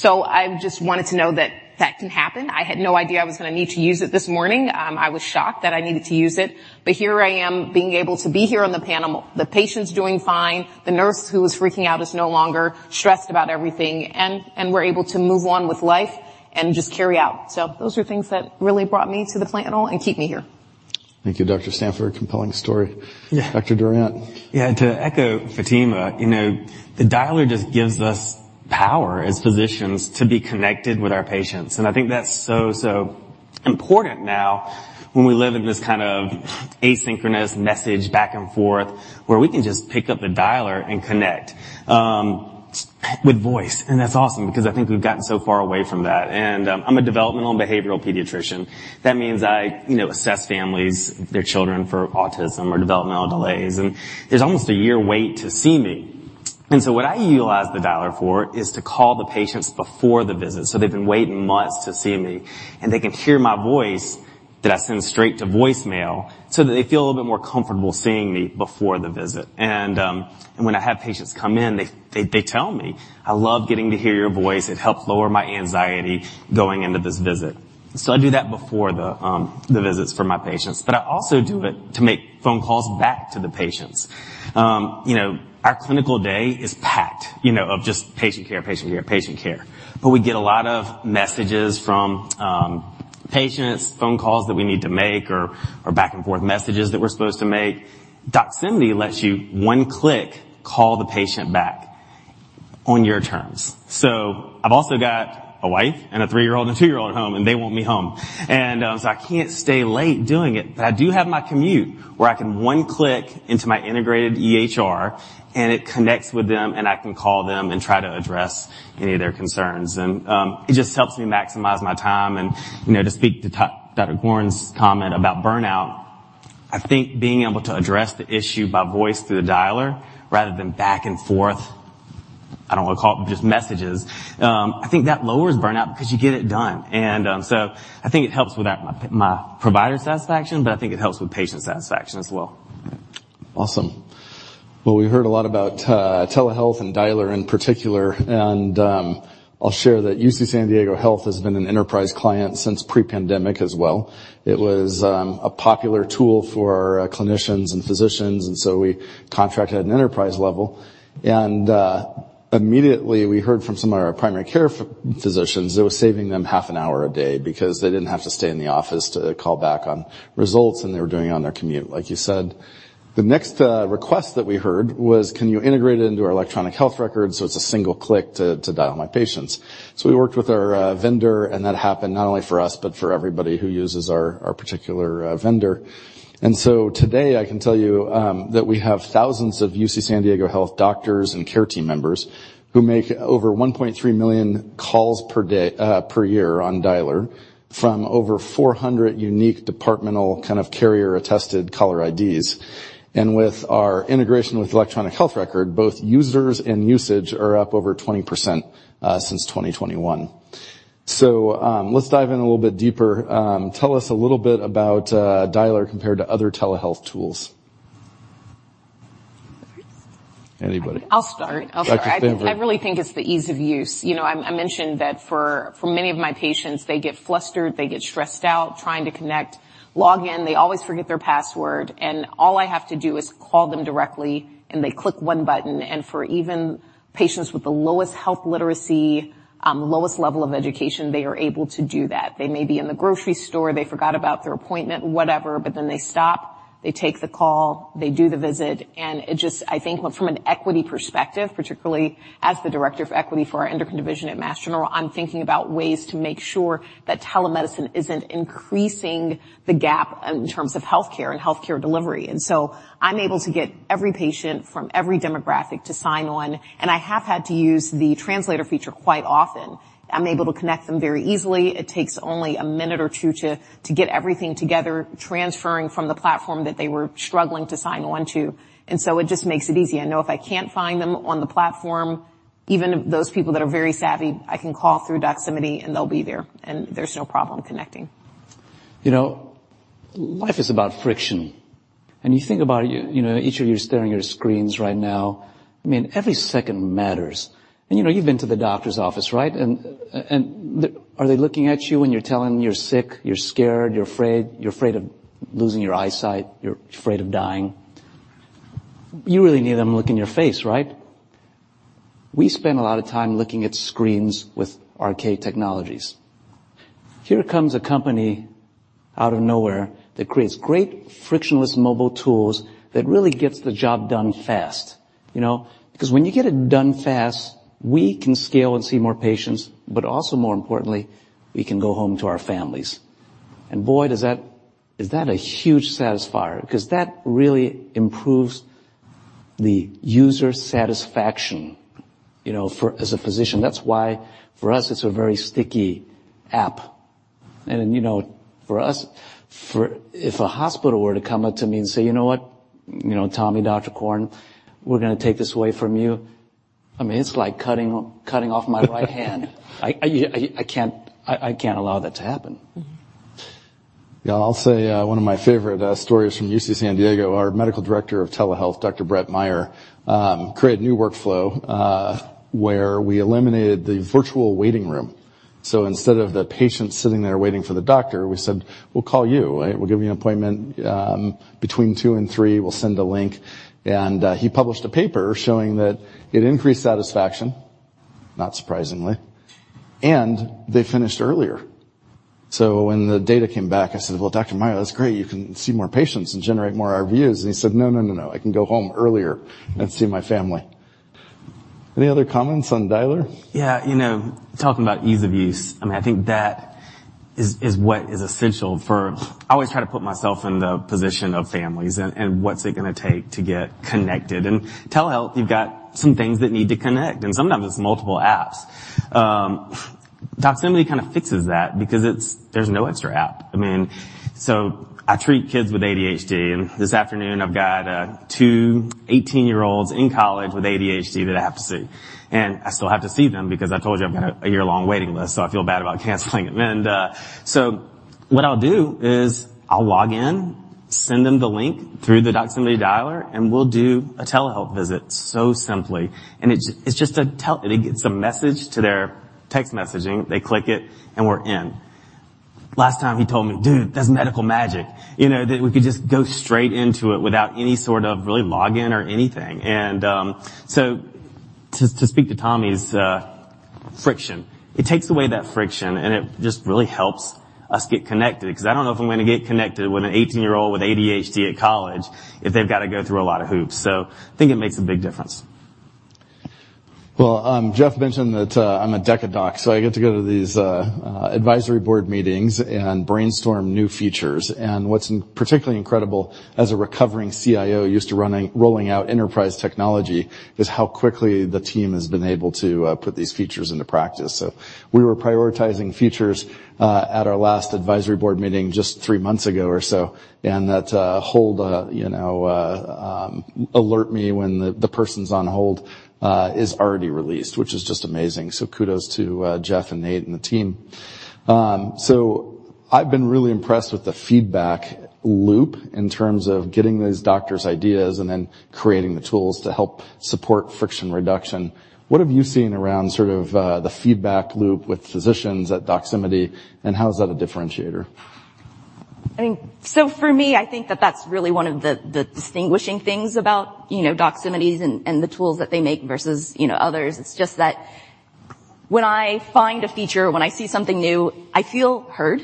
I just wanted to know that that can happen. I had no idea I was gonna need to use it this morning. I was shocked that I needed to use it, here I am, being able to be here on the panel. The patient's doing fine. The nurse who was freaking out is no longer stressed about everything, and we're able to move on with life and just carry out. Those are things that really brought me to the panel and keep me here. Thank you, Dr. Stanford. Compelling story. Yeah. Dr. DuRant? Yeah, to echo Fatima, you know, the Dialer just gives us power as physicians to be connected with our patients, and I think that's so important now when we live in this kind of asynchronous message back and forth, where we can just pick up the Dialer and connect with voice, and that's awesome because I think we've gotten so far away from that. I'm a developmental behavioral pediatrician. That means I, you know, assess families, their children for autism or developmental delays, and there's almost a year wait to see me. What I utilize the Dialer for is to call the patients before the visit. They've been waiting months to see me, and they can hear my voice that I send straight to voicemail so that they feel a little bit more comfortable seeing me before the visit. When I have patients come in, they tell me, "I love getting to hear your voice. It helped lower my anxiety going into this visit." I do that before the visits for my patients, but I also do it to make phone calls back to the patients. You know, our clinical day is packed, you know, of just patient care, patient care, patient care. We get a lot of messages from patients, phone calls that we need to make or back and forth messages that we're supposed to make. Doximity lets you one-click call the patient back on your terms. I've also got a wife and a three-year-old and a two-year-old at home, and they want me home. I can't stay late doing it. I do have my commute, where I can one click into my integrated EHR, and it connects with them, and I can call them and try to address any of their concerns. It just helps me maximize my time and, you know, to speak to Dr. Korn's comment about burnout, I think being able to address the issue by voice through the Dialer rather than back and forth, I don't want to call it, just messages, I think that lowers burnout because you get it done. So I think it helps with my provider satisfaction, but I think it helps with patient satisfaction as well. Awesome. Well, we heard a lot about telehealth and Dialer in particular. I'll share that UC San Diego Health has been an enterprise client since pre-pandemic as well. It was a popular tool for our clinicians and physicians. We contracted at an enterprise level. Immediately we heard from some of our primary care physicians, it was saving them half an hour a day because they didn't have to stay in the office to call back on results, and they were doing it on their commute, like you said. The next request that we heard was: Can you integrate it into our electronic health records, so it's a single click to dial my patients? We worked with our vendor, and that happened not only for us, but for everybody who uses our particular vendor. Today, I can tell you that we have thousands of UC San Diego Health doctors and care team members who make over 1.3 million calls per day, per year on Dialer from over 400 unique departmental kind of carrier-attested caller IDs. With our integration with electronic health record, both users and usage are up over 20% since 2021. Let's dive in a little bit deeper. Tell us a little bit about Dialer compared to other telehealth tools. Anybody? I'll start. I'll start. Dr. Stanford. I really think it's the ease of use. You know, I mentioned that for many of my patients, they get flustered, they get stressed out trying to connect, log in, they always forget their password. All I have to do is call them directly, and they click one button. For even patients with the lowest health literacy, lowest level of education, they are able to do that. They may be in the grocery store, they forgot about their appointment, whatever. They stop, they take the call, they do the visit. I think from an equity perspective, particularly as the director of equity for our endocrine division at Mass General, I'm thinking about ways to make sure that telemedicine isn't increasing the gap in terms of healthcare and healthcare delivery. I'm able to get every patient from every demographic to sign on, and I have had to use the translator feature quite often. I'm able to connect them very easily. It takes only a minute or two to get everything together, transferring from the platform that they were struggling to sign on to. It just makes it easy. I know if I can't find them on the platform, even those people that are very savvy, I can call through Doximity and they'll be there, and there's no problem connecting. You know, life is about friction, and you think about, you know, each of you staring your screens right now. I mean, every second matters. You know, you've been to the doctor's office, right? Are they looking at you when you're telling them you're sick, you're scared, you're afraid, you're afraid of losing your eyesight, you're afraid of dying? You really need them to look in your face, right? We spend a lot of time looking at screens with archaic technologies. Here comes a company out of nowhere that creates great frictionless mobile tools that really gets the job done fast. You know, because when you get it done fast, we can scale and see more patients, but also, more importantly, we can go home to our families. Boy, does that is that a huge satisfier, because that really improves the user satisfaction, you know, as a physician. That's why for us, it's a very sticky app. You know, for us, If a hospital were to come up to me and say: "You know what? You know, Tommy, Dr. Korn, we're going to take this away from you," I mean, it's like cutting off my right hand. I can't allow that to happen. Mm-hmm. Yeah, I'll say, one of my favorite stories from UC San Diego, our medical director of telehealth, Dr. Brett Meyer, created a new workflow where we eliminated the virtual waiting room. Instead of the patient sitting there waiting for the doctor, we said, "We'll call you. We'll give you an appointment between two and three. We'll send a link." He published a paper showing that it increased satisfaction, not surprisingly, and they finished earlier. When the data came back, I said, "Well, Dr. Meyer, that's great. You can see more patients and generate more reviews." He said, "No, no, no. I can go home earlier and see my family." Any other comments on dialer? Yeah, you know, talking about ease of use, I mean, I think that is what is essential for. I always try to put myself in the position of families and what's it going to take to get connected. Telehealth, you've got some things that need to connect, and sometimes it's multiple apps. Doximity kind of fixes that because it's, there's no extra app. I mean, I treat kids with ADHD, and this afternoon I've got two 18-year-olds in college with ADHD that I have to see, and I still have to see them because I told you I've got a year-long waiting list, so I feel bad about canceling them. What I'll do is I'll log in, send them the link through the Doximity Dialer, and we'll do a telehealth visit so simply. It's just a message to their text messaging. They click it, and we're in. Last time he told me, "Dude, that's medical magic." You know, that we could just go straight into it without any sort of really login or anything. To speak to Tommy's friction. It takes away that friction, and it just really helps us get connected, because I don't know if I'm gonna get connected with an 18-year-old with ADHD at college if they've got to go through a lot of hoops. I think it makes a big difference. Well, Jeff mentioned that I'm a Deca Doc, so I get to go to these advisory board meetings and brainstorm new features. What's particularly incredible as a recovering CIO, used to rolling out enterprise technology, is how quickly the team has been able to put these features into practice. We were prioritizing features at our last advisory board meeting just three months ago or so, and that hold, you know, alert me when the person's on hold is already released, which is just amazing. Kudos to Jeff and Nate and the team. I've been really impressed with the feedback loop in terms of getting these doctors' ideas and then creating the tools to help support friction reduction. What have you seen around sort of, the feedback loop with physicians at Doximity, and how is that a differentiator? I think for me, I think that that's really one of the distinguishing things about, you know, Doximity and the tools that they make versus, you know, others. It's just that when I find a feature, when I see something new, I feel heard,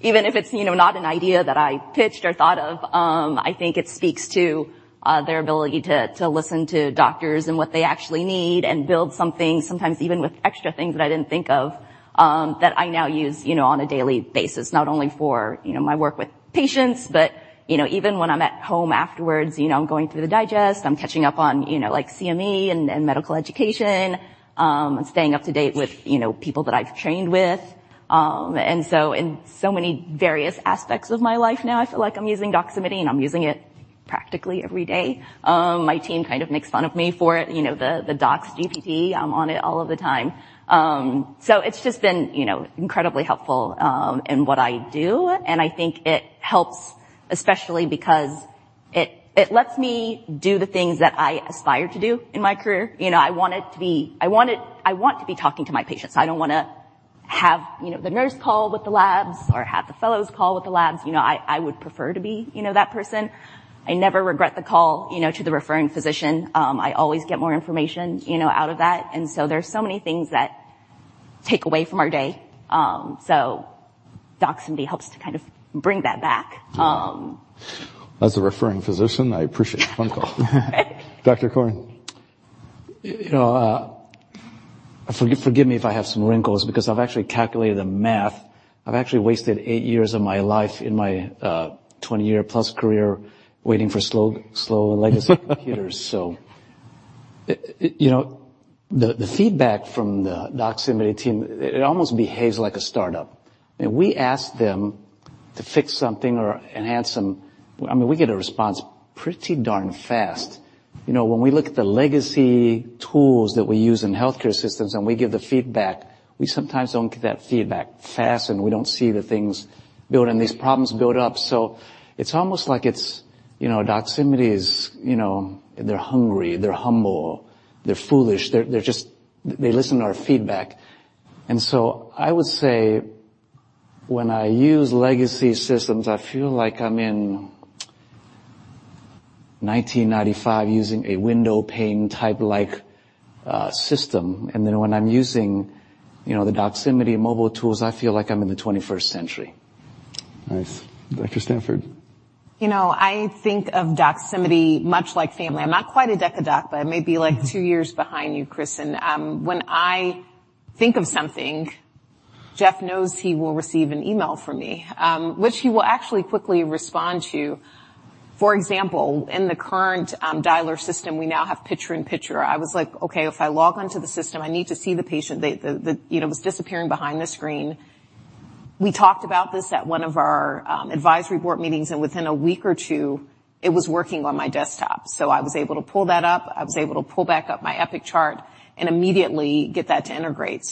even if it's, you know, not an idea that I pitched or thought of, I think it speaks to their ability to listen to doctors and what they actually need and build something, sometimes even with extra things that I didn't think of, that I now use, you know, on a daily basis, not only for, you know, my work with patients, but, you know, even when I'm at home afterwards, you know, I'm going through the digest, I'm catching up on, you know, like CME and medical education, staying up to date with, you know, people that I've trained with. In so many various aspects of my life now, I feel like I'm using Doximity, and I'm using it practically every day. My team kind of makes fun of me for it. You know, the DoxGPT, I'm on it all of the time. It's just been, you know, incredibly helpful in what I do, and I think it helps, especially because it lets me do the things that I aspire to do in my career. You know, I want to be talking to my patients. I don't wanna have, you know, the nurse call with the labs or have the fellows call with the labs. You know, I would prefer to be, you know, that person. I never regret the call, you know, to the referring physician. I always get more information, you know, out of that. There's so many things that take away from our day. Doximity helps to kind of bring that back. As a referring physician, I appreciate the phone call. Dr. Korn? You know, forgive me if I have some wrinkles because I've actually calculated the math. I've actually wasted eight years of my life in my 20-year-plus career waiting for slow legacy computers. You know, the feedback from the Doximity team, it almost behaves like a startup. When we ask them to fix something or enhance some, I mean, we get a response pretty darn fast. You know, when we look at the legacy tools that we use in healthcare systems and we give the feedback, we sometimes don't get that feedback fast, and we don't see the things build, and these problems build up. It's almost like it's, you know, Doximity is, you know, they're hungry, they're humble, they're foolish, they're just. They listen to our feedback. I would say when I use legacy systems, I feel like I'm in 1995, using a window pane type like system. When I'm using, you know, the Doximity mobile tools, I feel like I'm in the 21st century. Nice. Dr. Stanford. You know, I think of Doximity much like family. I'm not quite a Deca Doc, but I may be, like, two years behind you, Chris. When I think of something, Jeff knows he will receive an email from me, which he will actually quickly respond to. For example, in the current Dialer system, we now have picture-in-picture. I was like, "Okay, if I log on to the system, I need to see the patient." You know, was disappearing behind the screen. We talked about this at one of our advisory board meetings, and within a week or two, it was working on my desktop. I was able to pull that up. I was able to pull back up my Epic chart and immediately get that to integrate.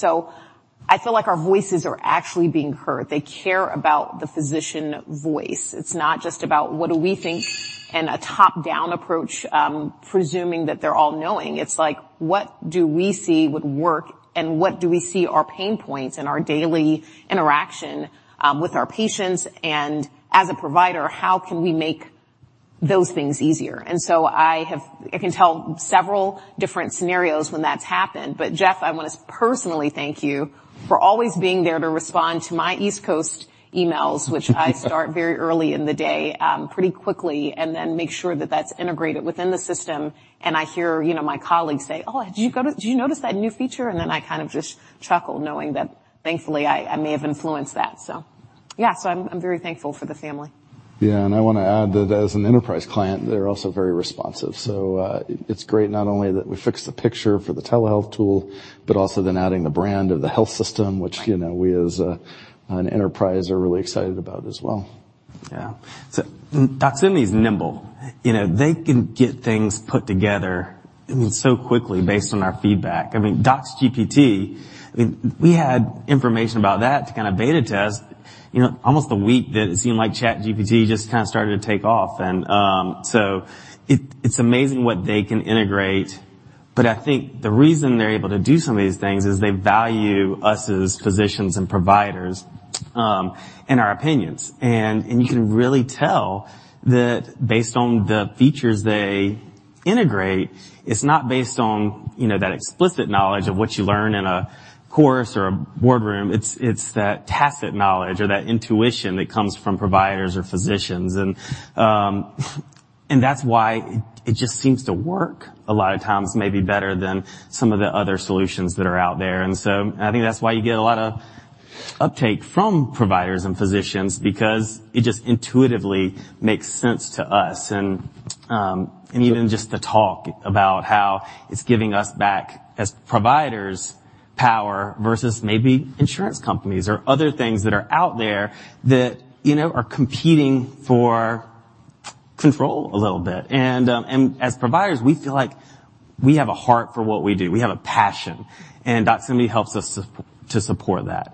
I feel like our voices are actually being heard. They care about the physician voice. It's not just about what do we think, and a top-down approach, presuming that they're all-knowing. It's like, what do we see would work, and what do we see are pain points in our daily interaction, with our patients, and as a provider, how can we make those things easier? I can tell several different scenarios when that's happened. Jeff, I want to personally thank you for always being there to respond to my East Coast emails, which I start very early in the day, pretty quickly, and then make sure that that's integrated within the system. I hear, you know, my colleagues say: "Oh, did you notice that new feature?" I kind of just chuckle, knowing that thankfully, I may have influenced that, so. Yeah, I'm very thankful for the family. I want to add that as an enterprise client, they're also very responsive. It's great not only that we fixed the picture for the telehealth tool, but also then adding the brand of the health system, which, you know, we as an enterprise, are really excited about as well. Yeah. Doximity is nimble. You know, they can get things put together, I mean, so quickly based on our feedback. I mean, DoxGPT, I mean, we had information about that to kind of beta test, you know, almost a week that it seemed like ChatGPT just kind of started to take off. It's amazing what they can integrate, but I think the reason they're able to do some of these things is they value us as physicians and providers and our opinions. You can really tell that based on the features they integrate, it's not based on, you know, that explicit knowledge of what you learn in a course or a boardroom. It's that tacit knowledge or that intuition that comes from providers or physicians. That's why it just seems to work a lot of times, maybe better than some of the other solutions that are out there. I think that's why you get a lot of uptake from providers and physicians because it just intuitively makes sense to us. Even just the talk about how it's giving us back, as providers, power versus maybe insurance companies or other things that are out there that, you know, are competing for control a little bit. As providers, we feel like we have a heart for what we do. We have a passion, and Doximity helps us to support that.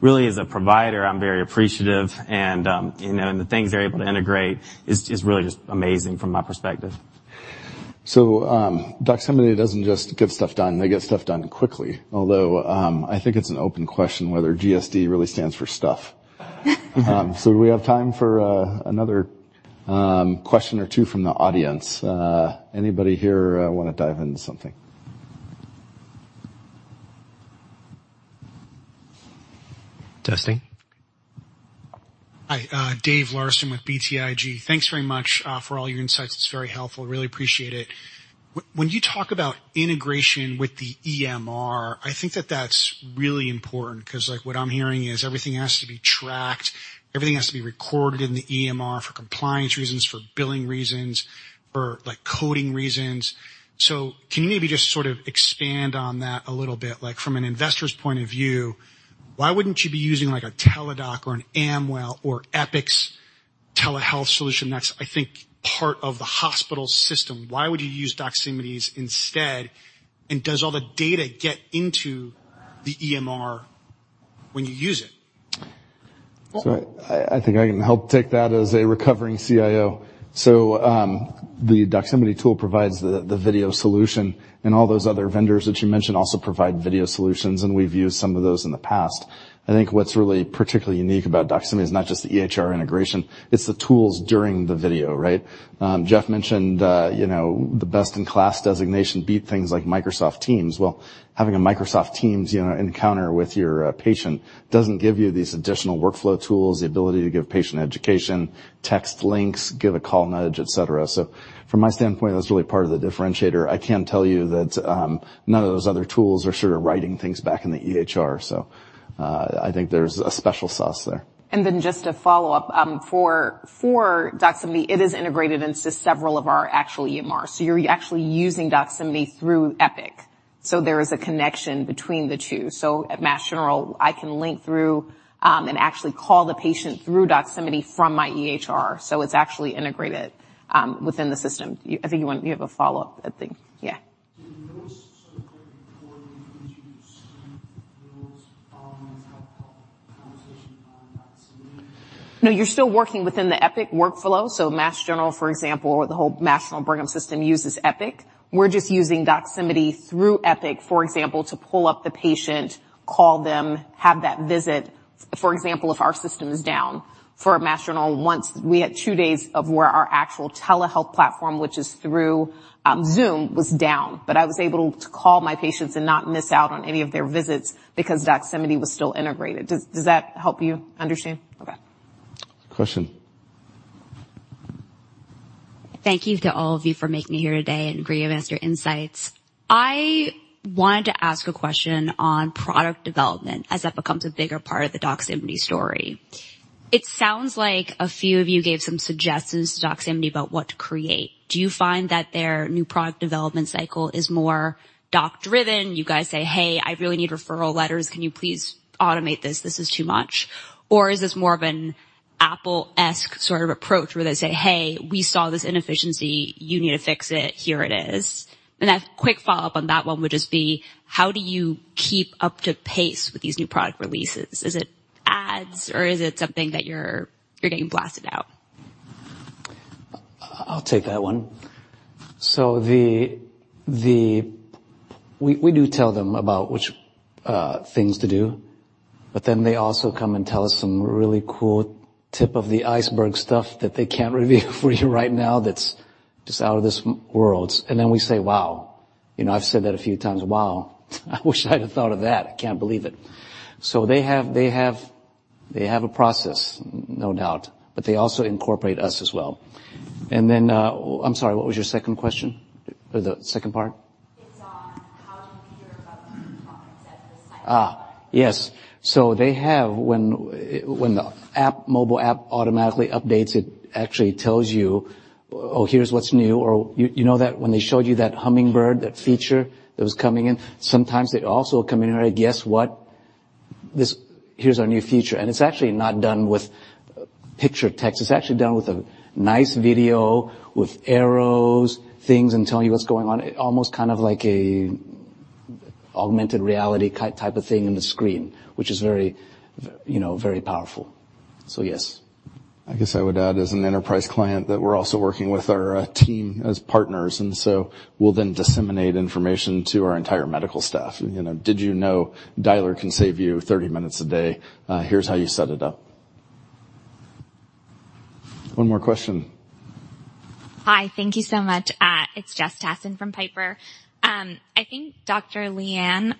Really, as a provider, I'm very appreciative, you know, and the things they're able to integrate is really just amazing from my perspective. Doximity doesn't just get stuff done, they get stuff done quickly. Although, I think it's an open question whether GSD really stands for stuff. Do we have time for another question or two from the audience? Anybody here want to dive into something? Testing. Hi, David Larsen with BTIG. Thanks very much for all your insights. It's very helpful. Really appreciate it. When you talk about integration with the EMR, I think that that's really important, 'cause, like, what I'm hearing is everything has to be tracked, everything has to be recorded in the EMR for compliance reasons, for billing reasons, for, like, coding reasons. Can you maybe just sort of expand on that a little bit? Like, from an investor's point of view, why wouldn't you be using, like, a Teladoc or an Amwell or Epic's telehealth solution that's, I think, part of the hospital system? Why would you use Doximity's instead, and does all the data get into the EMR when you use it? I think I can help take that as a recovering CIO. The Doximity tool provides the video solution, and all those other vendors that you mentioned also provide video solutions, and we've used some of those in the past. I think what's really particularly unique about Doximity is not just the EHR integration, it's the tools during the video, right? Jeff mentioned, you know, the Best in KLAS designation beat things like Microsoft Teams. Having a Microsoft Teams, you know, encounter with your patient doesn't give you these additional workflow tools, the ability to give patient education, text links, give a call knowledge, et cetera. From my standpoint, that's really part of the differentiator. I can tell you that none of those other tools are sort of writing things back in the EHR. I think there's a special sauce there. Just to follow up, for Doximity, it is integrated into several of our actual EMRs. You're actually using Doximity through Epic. There is a connection between the two. At Mass General, I can link through, and actually call the patient through Doximity from my EHR, it's actually integrated within the system. You have a follow-up, I think. Yeah. Do you notice sort of before you introduce those, telehealth conversation on Doximity? No, you're still working within the Epic workflow. Mass General, for example, or the whole Mass General Brigham system uses Epic. We're just using Doximity through Epic, for example, to pull up the patient, call them, have that visit. For example, if our system is down. For Mass General, once we had two days of where our actual telehealth platform, which is through Zoom, was down, but I was able to call my patients and not miss out on any of their visits because Doximity was still integrated. Does that help you understand? Okay. Question. Thank you to all of you for making me here today and for your master insights. I wanted to ask a question on product development as that becomes a bigger part of the Doximity story. It sounds like a few of you gave some suggestions to Doximity about what to create. Do you find that their new product development cycle is more doc driven? You guys say, "Hey, I really need referral letters. Can you please automate this? This is too much." Or is this more of an Apple-esque sort of approach where they say, "Hey, we saw this inefficiency. You need to fix it. Here it is." A quick follow-up on that one would just be, how do you keep up to pace with these new product releases? Is it ads, or is it something that you're getting blasted out? I'll take that one. We do tell them about which things to do. They also come and tell us some really cool tip of the iceberg stuff that they can't reveal for you right now, that's just out of this world. We say, "Wow!" You know, I've said that a few times. Wow. I wish I'd have thought of that. I can't believe it. They have a process, no doubt. They also incorporate us as well. I'm sorry, what was your second question? Or the second part?... Yes. They have, when the app, mobile app automatically updates, it actually tells you, "Oh, here's what's new," or you know that when they showed you that hummingbird, that feature that was coming in, sometimes they also come in and guess what? Here's our new feature, and it's actually not done with picture text. It's actually done with a nice video, with arrows, things, and telling you what's going on. Almost kind of like a augmented reality type of thing in the screen, which is very, you know, very powerful. Yes. I guess I would add, as an enterprise client, that we're also working with our team as partners. We'll then disseminate information to our entire medical staff. You know, did you know Dialer can save you 30 minutes a day? Here's how you set it up. One more question. Hi, thank you so much. It's Jess Tassan from Piper. I think, Dr. Lea Ann,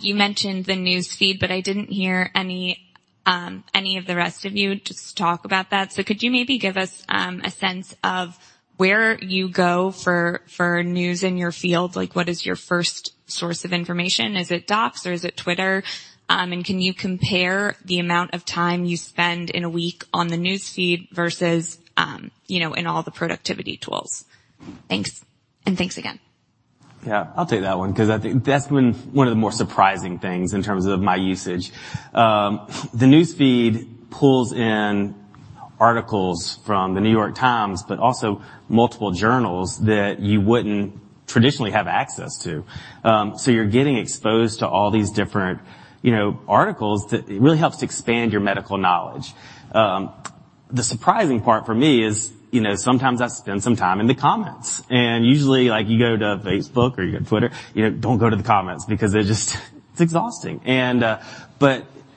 you mentioned the news feed, but I didn't hear any of the rest of you just talk about that. Could you maybe give us a sense of where you go for news in your field? Like, what is your first source of information? Is it Docs or is it Twitter? Can you compare the amount of time you spend in a week on the newsfeed versus, you know, in all the productivity tools? Thanks. Thanks again. Yeah, I'll take that one, 'cause I think that's been one of the more surprising things in terms of my usage. The newsfeed pulls in articles from The New York Times, also multiple journals that you wouldn't traditionally have access to. You're getting exposed to all these different, you know, articles that it really helps expand your medical knowledge. The surprising part for me is, you know, sometimes I spend some time in the comments, usually, like, you go to Facebook or you go to Twitter, you know, don't go to the comments because they're just, it's exhausting.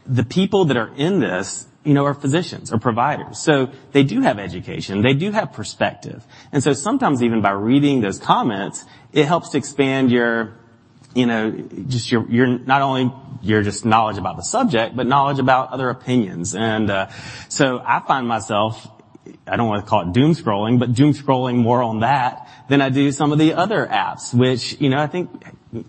The people that are in this, you know, are physicians or providers, they do have education, they do have perspective. Sometimes even by reading those comments, it helps to expand your, you know, just your not only your just knowledge about the subject, but knowledge about other opinions. I find myself, I don't want to call it doomscrolling, but doomscrolling more on that than I do some of the other apps, which, you know, I think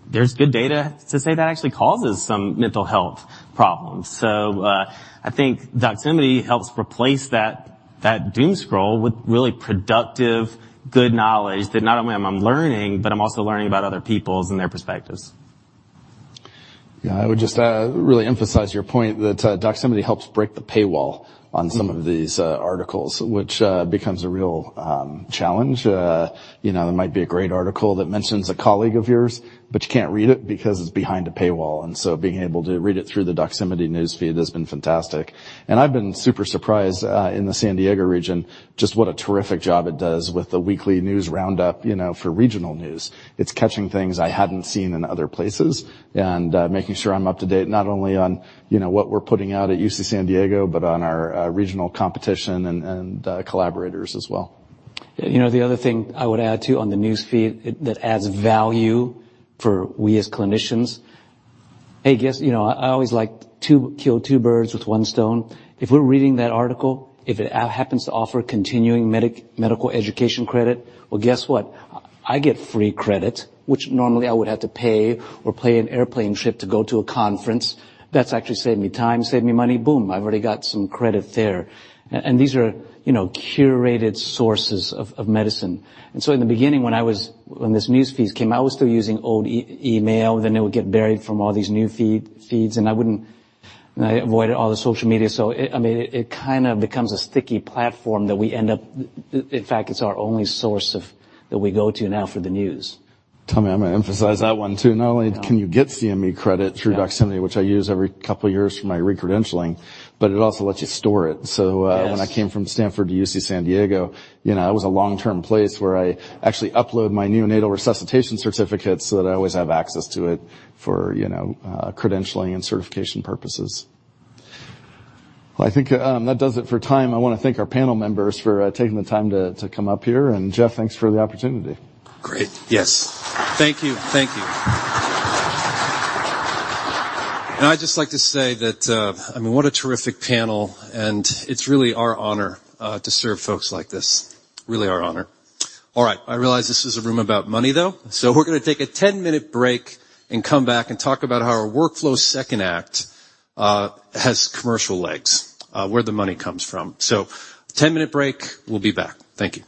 there's good data to say that actually causes some mental health problems. I think Doximity helps replace that doomscroll with really productive, good knowledge that not only I'm learning, but I'm also learning about other peoples and their perspectives. Yeah, I would just really emphasize your point that Doximity helps break the paywall on some of these articles, which becomes a real challenge. You know, there might be a great article that mentions a colleague of yours, but you can't read it because it's behind a paywall. Being able to read it through the Doximity news feed has been fantastic. I've been super surprised in the San Diego region, just what a terrific job it does with the weekly news roundup, you know, for regional news. It's catching things I hadn't seen in other places, and making sure I'm up to date, not only on, you know, what we're putting out at UC San Diego, but on our regional competition and collaborators as well. You know, the other thing I would add, too, on the newsfeed, that adds value for we as clinicians, you know, I always like to kill two birds with one stone. If we're reading that article, if it happens to offer continuing medical education credit, well, guess what? I get free credit, which normally I would have to pay or play an airplane trip to go to a conference. That's actually saved me time, saved me money. Boom, I've already got some credit there. These are, you know, curated sources of medicine. In the beginning, when this newsfeeds came out, I was still using old email, then it would get buried from all these new feeds, and I avoided all the social media. It, I mean, it kind of becomes a sticky platform. In fact, it's our only source of, that we go to now for the news. Tommy, I'm gonna emphasize that one, too. Not only can you get CME credit through Doximity, which I use every couple of years for my re-credentialing, but it also lets you store it. Yes. When I came from Stanford to UC San Diego, you know, it was a long-term place where I actually upload my neonatal resuscitation certificates so that I always have access to it for, you know, credentialing and certification purposes. I think that does it for time. I want to thank our panel members for taking the time to come up here. Jeff, thanks for the opportunity. Great. Yes. Thank you. Thank you. I'd just like to say that, I mean, what a terrific panel, and it's really our honor to serve folks like this. Really our honor. All right, I realize this is a room about money, though, we're gonna take a 10-minute break and come back and talk about how our workflow second act has commercial legs, where the money comes from. 10-minute break. We'll be back. Thank you.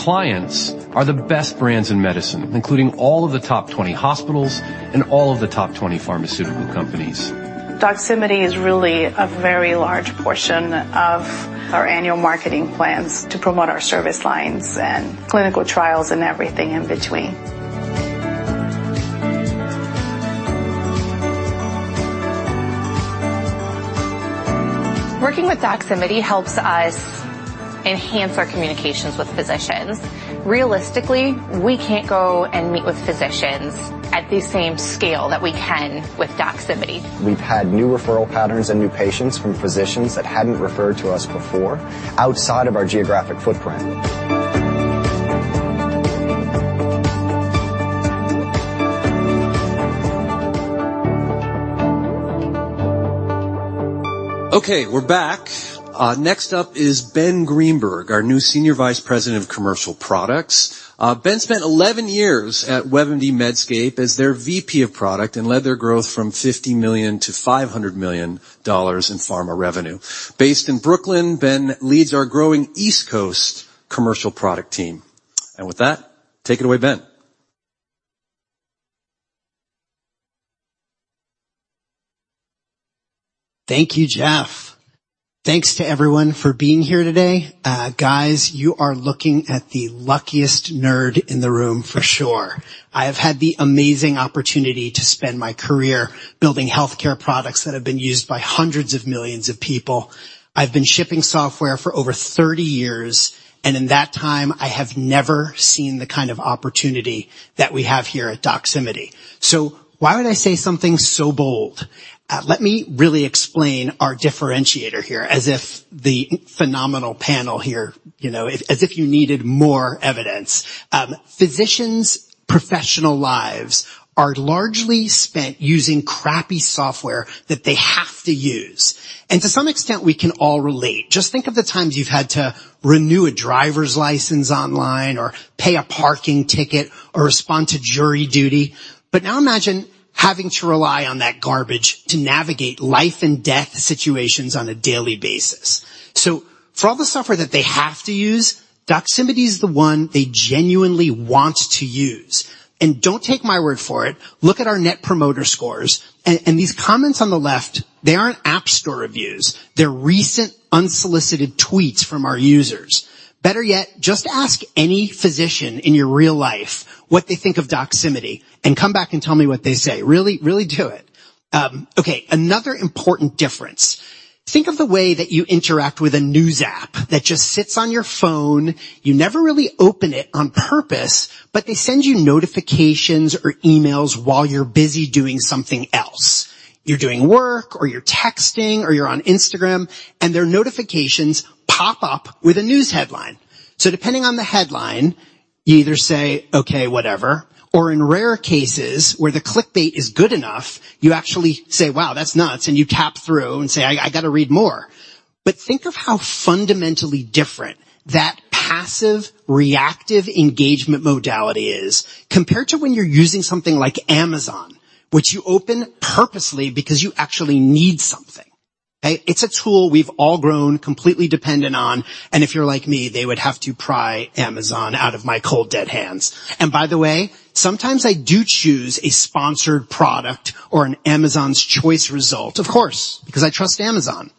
Our clients are the best brands in medicine, including all of the top 20 hospitals and all of the top 20 pharmaceutical companies. Doximity is really a very large portion of our annual marketing plans to promote our service lines and clinical trials and everything in between. Working with Doximity helps us enhance our communications with physicians. Realistically, we can't go and meet with physicians at the same scale that we can with Doximity. We've had new referral patterns and new patients from physicians that hadn't referred to us before outside of our geographic footprint. Okay, we're back. Next up is Ben Greenberg, our new Senior Vice President of Commercial Products. Ben spent 11 years at WebMD Medscape as their VP of Product and led their growth from $50 million to $500 million in pharma revenue. Based in Brooklyn, Ben leads our growing East Coast commercial product team. With that, take it away, Ben. Thank you, Jeff. Thanks to everyone for being here today. Guys, you are looking at the luckiest nerd in the room for sure. I have had the amazing opportunity to spend my career building healthcare products that have been used by hundreds of millions of people. I've been shipping software for over 30 years, and in that time, I have never seen the kind of opportunity that we have here at Doximity. Why would I say something so bold? Let me really explain our differentiator here, as if the phenomenal panel here, you know, as if you needed more evidence. Physicians' professional lives are largely spent using crappy software that they have to use, and to some extent, we can all relate. Just think of the times you've had to renew a driver's license online or pay a parking ticket or respond to jury duty. Now imagine having to rely on that garbage to navigate life and death situations on a daily basis. For all the software that they have to use, Doximity is the one they genuinely want to use. Don't take my word for it. Look at our Net Promoter Score, and these comments on the left, they aren't App Store reviews. They're recent, unsolicited tweets from our users. Better yet, just ask any physician in your real life what they think of Doximity, and come back and tell me what they say. Really, really do it. Okay, another important difference. Think of the way that you interact with a news app that just sits on your phone. You never really open it on purpose, but they send you notifications or emails while you're busy doing something else. You're doing work, or you're texting, or you're on Instagram, and their notifications pop up with a news headline. Depending on the headline, you either say, "Okay, whatever," or in rare cases, where the clickbait is good enough, you actually say, "Wow, that's nuts," and you tap through and say, "I gotta read more." Think of how fundamentally different that passive, reactive engagement modality is compared to when you're using something like Amazon, which you open purposely because you actually need something. It's a tool we've all grown completely dependent on, and if you're like me, they would have to pry Amazon out of my cold, dead hands. By the way, sometimes I do choose a sponsored product or an Amazon's Choice result, of course, because I trust Amazon,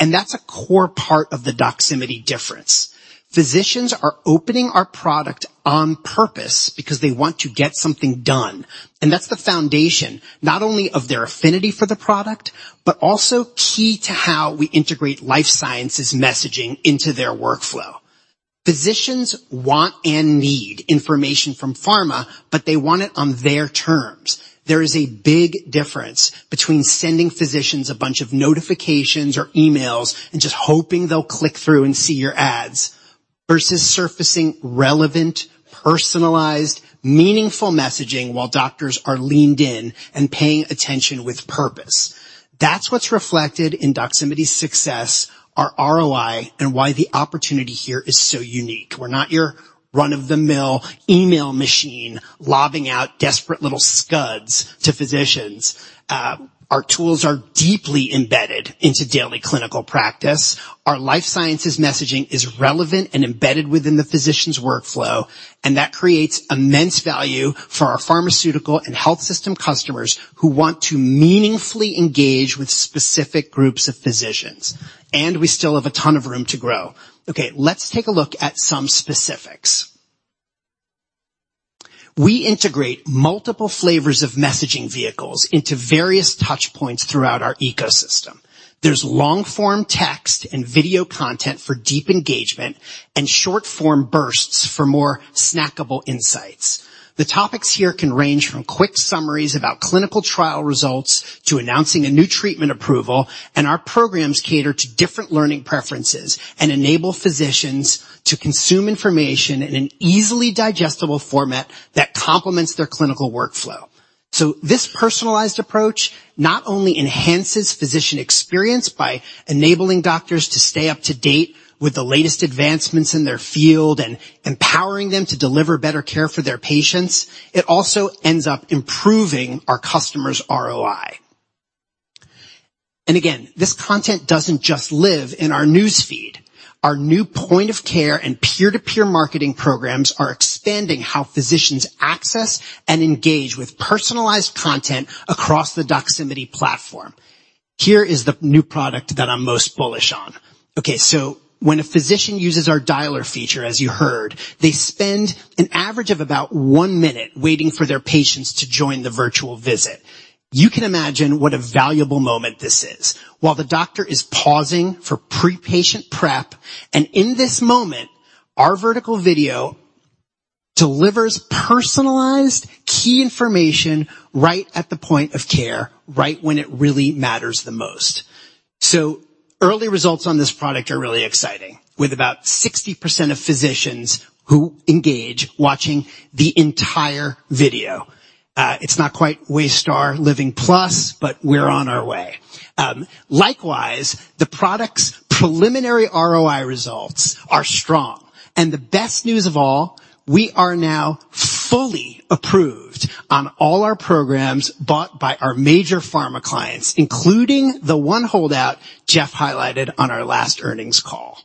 and that's a core part of the Doximity difference. Physicians are opening our product on purpose because they want to get something done, and that's the foundation, not only of their affinity for the product, but also key to how we integrate life sciences messaging into their workflow. Physicians want and need information from pharma, but they want it on their terms. There is a big difference between sending physicians a bunch of notifications or emails and just hoping they'll click through and see your ads, versus surfacing relevant, personalized, meaningful messaging while doctors are leaned in and paying attention with purpose. That's what's reflected in Doximity's success, our ROI, and why the opportunity here is so unique. We're not your run-of-the-mill email machine, lobbing out desperate little scuds to physicians. Our tools are deeply embedded into daily clinical practice. Our life sciences messaging is relevant and embedded within the physician's workflow, and that creates immense value for our pharmaceutical and health system customers who want to meaningfully engage with specific groups of physicians, and we still have a ton of room to grow. Let's take a look at some specifics. We integrate multiple flavors of messaging vehicles into various touch points throughout our ecosystem. There's long-form text and video content for deep engagement and short-form bursts for more snackable insights. The topics here can range from quick summaries about clinical trial results to announcing a new treatment approval, and our programs cater to different learning preferences and enable physicians to consume information in an easily digestible format that complements their clinical workflow. This personalized approach not only enhances physician experience by enabling doctors to stay up to date with the latest advancements in their field and empowering them to deliver better care for their patients, it also ends up improving our customers' ROI. Again, this content doesn't just live in our news feed. Our new point of care and peer-to-peer marketing programs are expanding how physicians access and engage with personalized content across the Doximity platform. Here is the new product that I'm most bullish on. When a physician uses our Dialer feature, as you heard, they spend an average of about one minute waiting for their patients to join the virtual visit. You can imagine what a valuable moment this is. While the doctor is pausing for pre-patient prep, and in this moment, our vertical video delivers personalized key information right at the point of care, right when it really matters the most. Early results on this product are really exciting, with about 60% of physicians who engage watching the entire video. It's not quite Waystar Royco Living+, but we're on our way. Likewise, the product's preliminary ROI results are strong, and the best news of all, we are now fully approved on all our programs bought by our major pharma clients, including the one holdout Jeff highlighted on our last earnings call.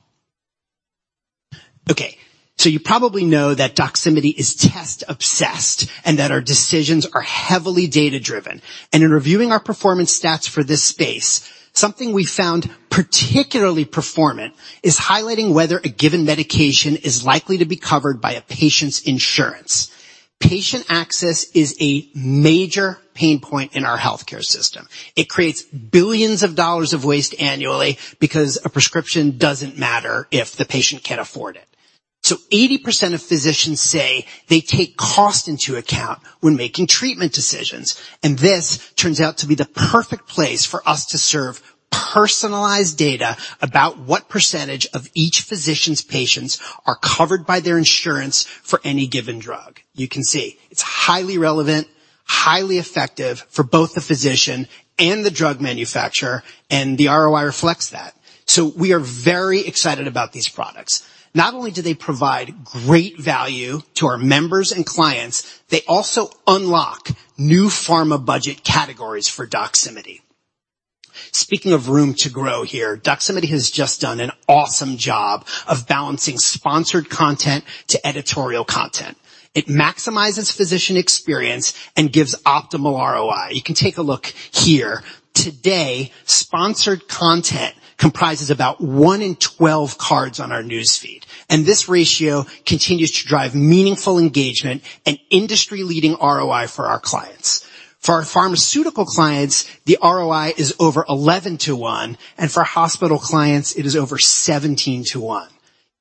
You probably know that Doximity is test obsessed and that our decisions are heavily data-driven. In reviewing our performance stats for this space, something we found particularly performant is highlighting whether a given medication is likely to be covered by a patient's insurance. Patient access is a major pain point in our healthcare system. It creates billions of dollars of waste annually because a prescription doesn't matter if the patient can't afford it. 80% of physicians say they take cost into account when making treatment decisions, and this turns out to be the perfect place for us to serve personalized data about what percentage of each physician's patients are covered by their insurance for any given drug. It's highly relevant, highly effective for both the physician and the drug manufacturer, and the ROI reflects that. We are very excited about these products. Not only do they provide great value to our members and clients, they also unlock new pharma budget categories for Doximity. Speaking of room to grow here, Doximity has just done an awesome job of balancing sponsored content to editorial content. It maximizes physician experience and gives optimal ROI. You can take a look here. Today, sponsored content comprises about one in 12 cards on our news feed, and this ratio continues to drive meaningful engagement and industry-leading ROI for our clients. For our pharmaceutical clients, the ROI is over 11 to one, and for hospital clients, it is over 17 to one.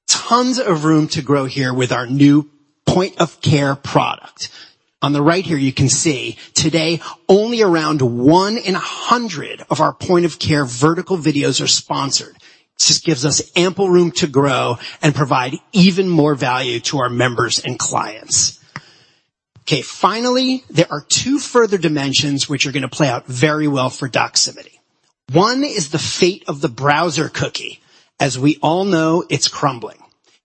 Tons of room to grow here with our new point of care product. On the right here, you can see today only around 1 in 100 of our point of care vertical videos are sponsored. Just gives us ample room to grow and provide even more value to our members and clients. Okay, finally, there are two further dimensions which are going to play out very well for Doximity. One is the fate of the browser cookie. As we all know, it's crumbling,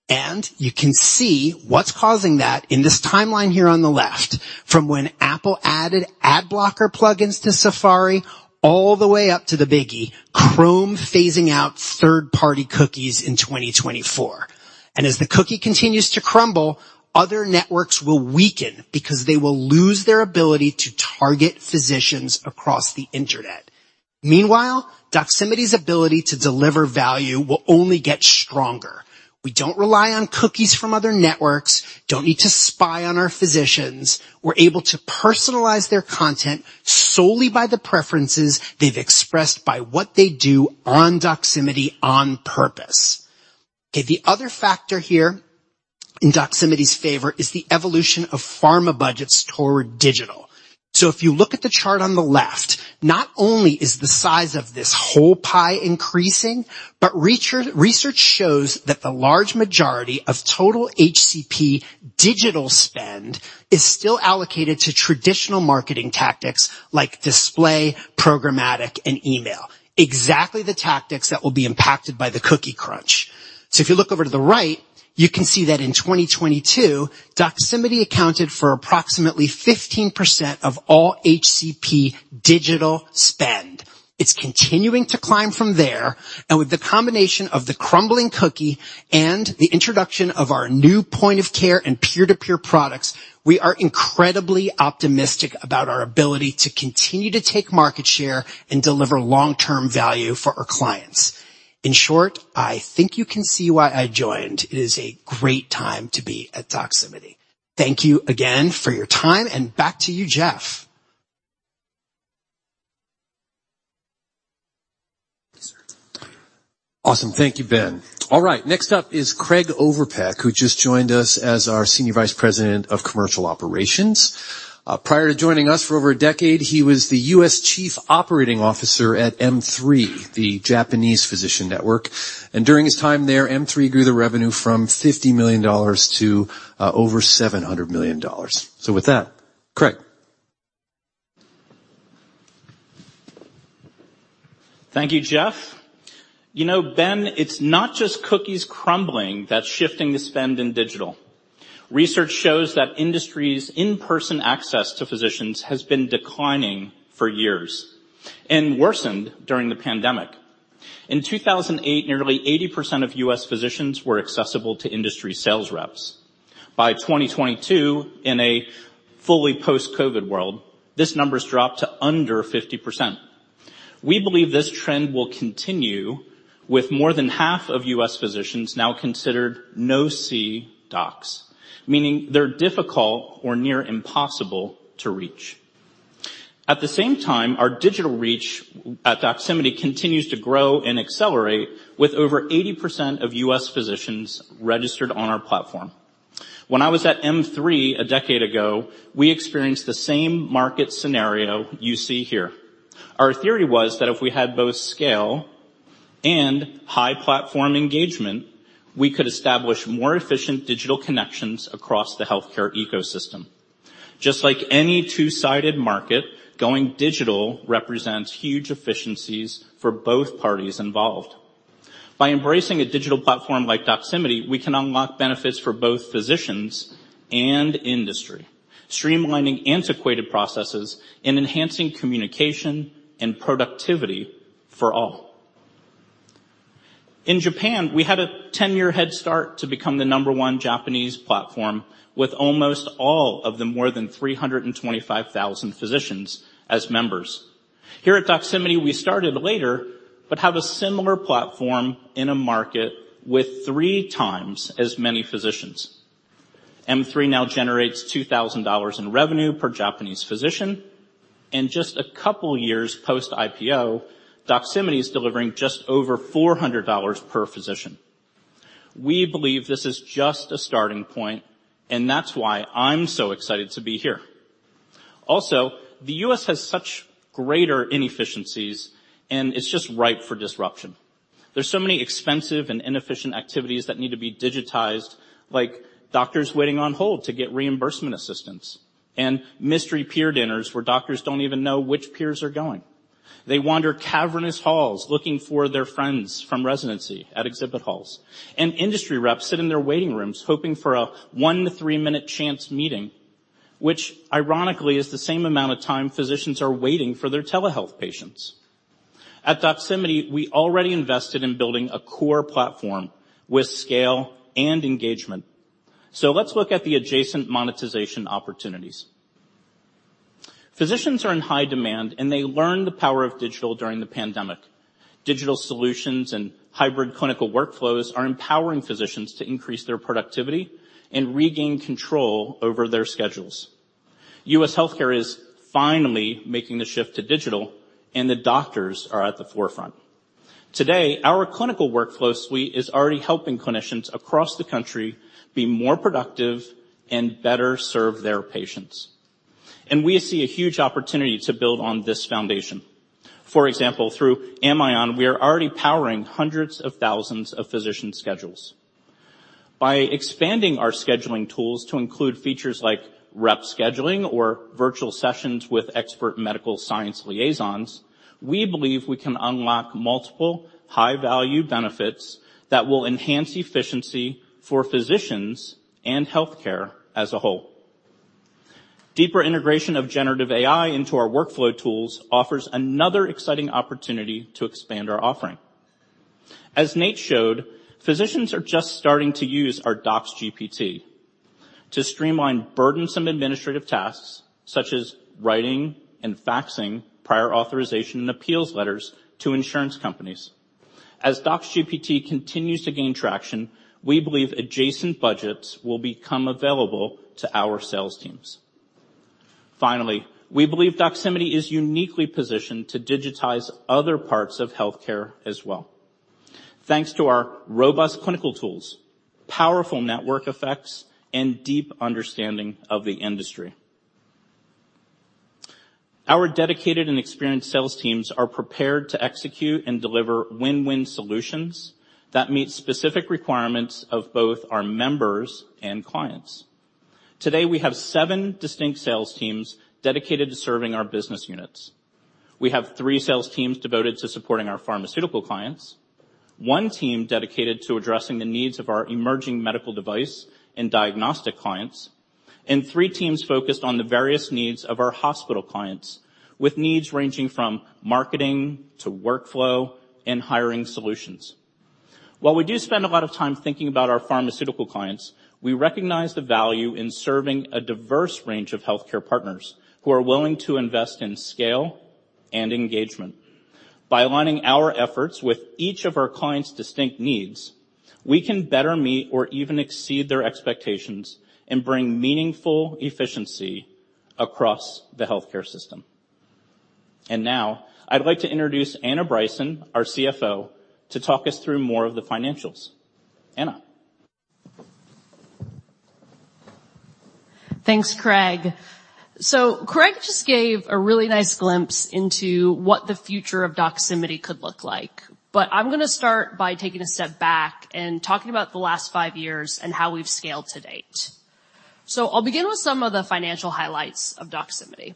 and you can see what's causing that in this timeline here on the left, from when Apple added ad blocker plugins to Safari all the way up to the biggie, Chrome, phasing out third-party cookies in 2024. As the cookie continues to crumble, other networks will weaken because they will lose their ability to target physicians across the Internet. Meanwhile, Doximity's ability to deliver value will only get stronger. We don't rely on cookies from other networks, don't need to spy on our physicians. We're able to personalize their content solely by the preferences they've expressed by what they do on Doximity on purpose. The other factor here in Doximity's favor is the evolution of pharma budgets toward digital. If you look at the chart on the left, not only is the size of this whole pie increasing, but research shows that the large majority of total HCP digital spend is still allocated to traditional marketing tactics like display, programmatic, and email. Exactly the tactics that will be impacted by the cookie crunch. If you look over to the right, you can see that in 2022, Doximity accounted for approximately 15% of all HCP digital spend. It's continuing to climb from there, and with the combination of the crumbling cookie and the introduction of our new point of care and peer-to-peer products, we are incredibly optimistic about our ability to continue to take market share and deliver long-term value for our clients. In short, I think you can see why I joined. It is a great time to be at Doximity. Thank you again for your time, and back to you, Jeff. Awesome. Thank you, Ben. Next up is Craig Overpeck, who just joined us as our Senior Vice President of Commercial Operations. Prior to joining us for over a decade, he was the U.S. Chief Operating Officer at M3, the Japanese physician network. During his time there, M3 grew the revenue from $50 million to over $700 million. With that, Craig. Thank you, Jeff. You know, Ben, it's not just cookies crumbling that's shifting the spend in digital. Research shows that industries in-person access to physicians has been declining for years and worsened during the pandemic. In 2008, nearly 80% of U.S. physicians were accessible to industry sales reps. By 2022, in a fully post-COVID world, this number has dropped to under 50%. We believe this trend will continue, with more than half of U.S. physicians now considered no-see docs, meaning they're difficult or near impossible to reach. At the same time, our digital reach at Doximity continues to grow and accelerate, with over 80% of U.S. physicians registered on our platform. When I was at M3 a decade ago, we experienced the same market scenario you see here. Our theory was that if we had both scale and high platform engagement, we could establish more efficient digital connections across the healthcare ecosystem. Just like any two-sided market, going digital represents huge efficiencies for both parties involved. By embracing a digital platform like Doximity, we can unlock benefits for both physicians and industry, streamlining antiquated processes and enhancing communication and productivity for all. In Japan, we had a 10-year head start to become the number one Japanese platform with almost all of the more than 325,000 physicians as members. Here at Doximity, we started later, but have a similar platform in a market with 3x as many physicians. M3 now generates $2,000 in revenue per Japanese physician, and just a couple of years post-IPO, Doximity is delivering just over $400 per physician. We believe this is just a starting point, that's why I'm so excited to be here. The U.S. has such greater inefficiencies, it's just ripe for disruption. There's so many expensive and inefficient activities that need to be digitized, like doctors waiting on hold to get reimbursement assistance, mystery peer dinners where doctors don't even know which peers are going. They wander cavernous halls looking for their friends from residency at exhibit halls, industry reps sit in their waiting rooms, hoping for a one to three-minute chance meeting, which ironically, is the same amount of time physicians are waiting for their telehealth patients. At Doximity, we already invested in building a core platform with scale and engagement. Let's look at the adjacent monetization opportunities. Physicians are in high demand, they learned the power of digital during the pandemic. Digital solutions and hybrid clinical workflows are empowering physicians to increase their productivity and regain control over their schedules. U.S. healthcare is finally making the shift to digital, and the doctors are at the forefront. Today, our clinical workflow suite is already helping clinicians across the country be more productive and better serve their patients, and we see a huge opportunity to build on this foundation. For example, through Amion, we are already powering hundreds of thousands of physician schedules. By expanding our scheduling tools to include features like rep scheduling or virtual sessions with expert medical science liaisons, we believe we can unlock multiple high-value benefits that will enhance efficiency for physicians and healthcare as a whole. Deeper integration of generative AI into our workflow tools offers another exciting opportunity to expand our offering. Nate showed, physicians are just starting to use our DoxGPT to streamline burdensome administrative tasks, such as writing and faxing prior authorization and appeals letters to insurance companies. DoxGPT continues to gain traction, we believe adjacent budgets will become available to our sales teams. We believe Doximity is uniquely positioned to digitize other parts of healthcare as well, thanks to our robust clinical tools, powerful network effects, and deep understanding of the industry. Our dedicated and experienced sales teams are prepared to execute and deliver win-win solutions that meet specific requirements of both our members and clients. Today, we have seven distinct sales teams dedicated to serving our business units. We have three sales teams devoted to supporting our pharmaceutical clients, one team dedicated to addressing the needs of our emerging medical device and diagnostic clients, and three teams focused on the various needs of our hospital clients, with needs ranging from marketing to workflow and hiring solutions. While we do spend a lot of time thinking about our pharmaceutical clients, we recognize the value in serving a diverse range of healthcare partners who are willing to invest in scale and engagement. By aligning our efforts with each of our clients' distinct needs, we can better meet or even exceed their expectations and bring meaningful efficiency across the healthcare system. I'd like to introduce Anna Bryson, our CFO, to talk us through more of the financials. Anna? Craig just gave a really nice glimpse into what the future of Doximity could look like. I'm gonna start by taking a step back and talking about the last five years and how we've scaled to date. I'll begin with some of the financial highlights of Doximity.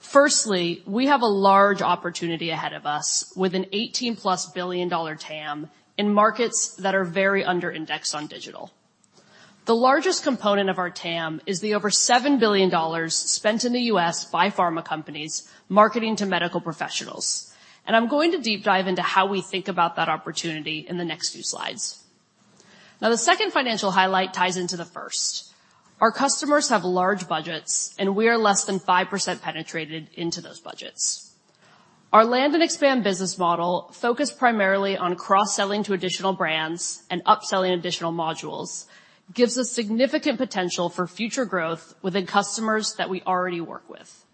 Firstly, we have a large opportunity ahead of us with an $18+ billion TAM in markets that are very under indexed on digital. The largest component of our TAM is the over $7 billion spent in the U.S. by pharma companies marketing to medical professionals. I'm going to deep dive into how we think about that opportunity in the next few slides. Now, the second financial highlight ties into the first. Our customers have large budgets, and we are less than 5% penetrated into those budgets. Our land and expand business model, focused primarily on cross-selling to additional brands and upselling additional modules, gives us significant potential for future growth within customers that we already work with.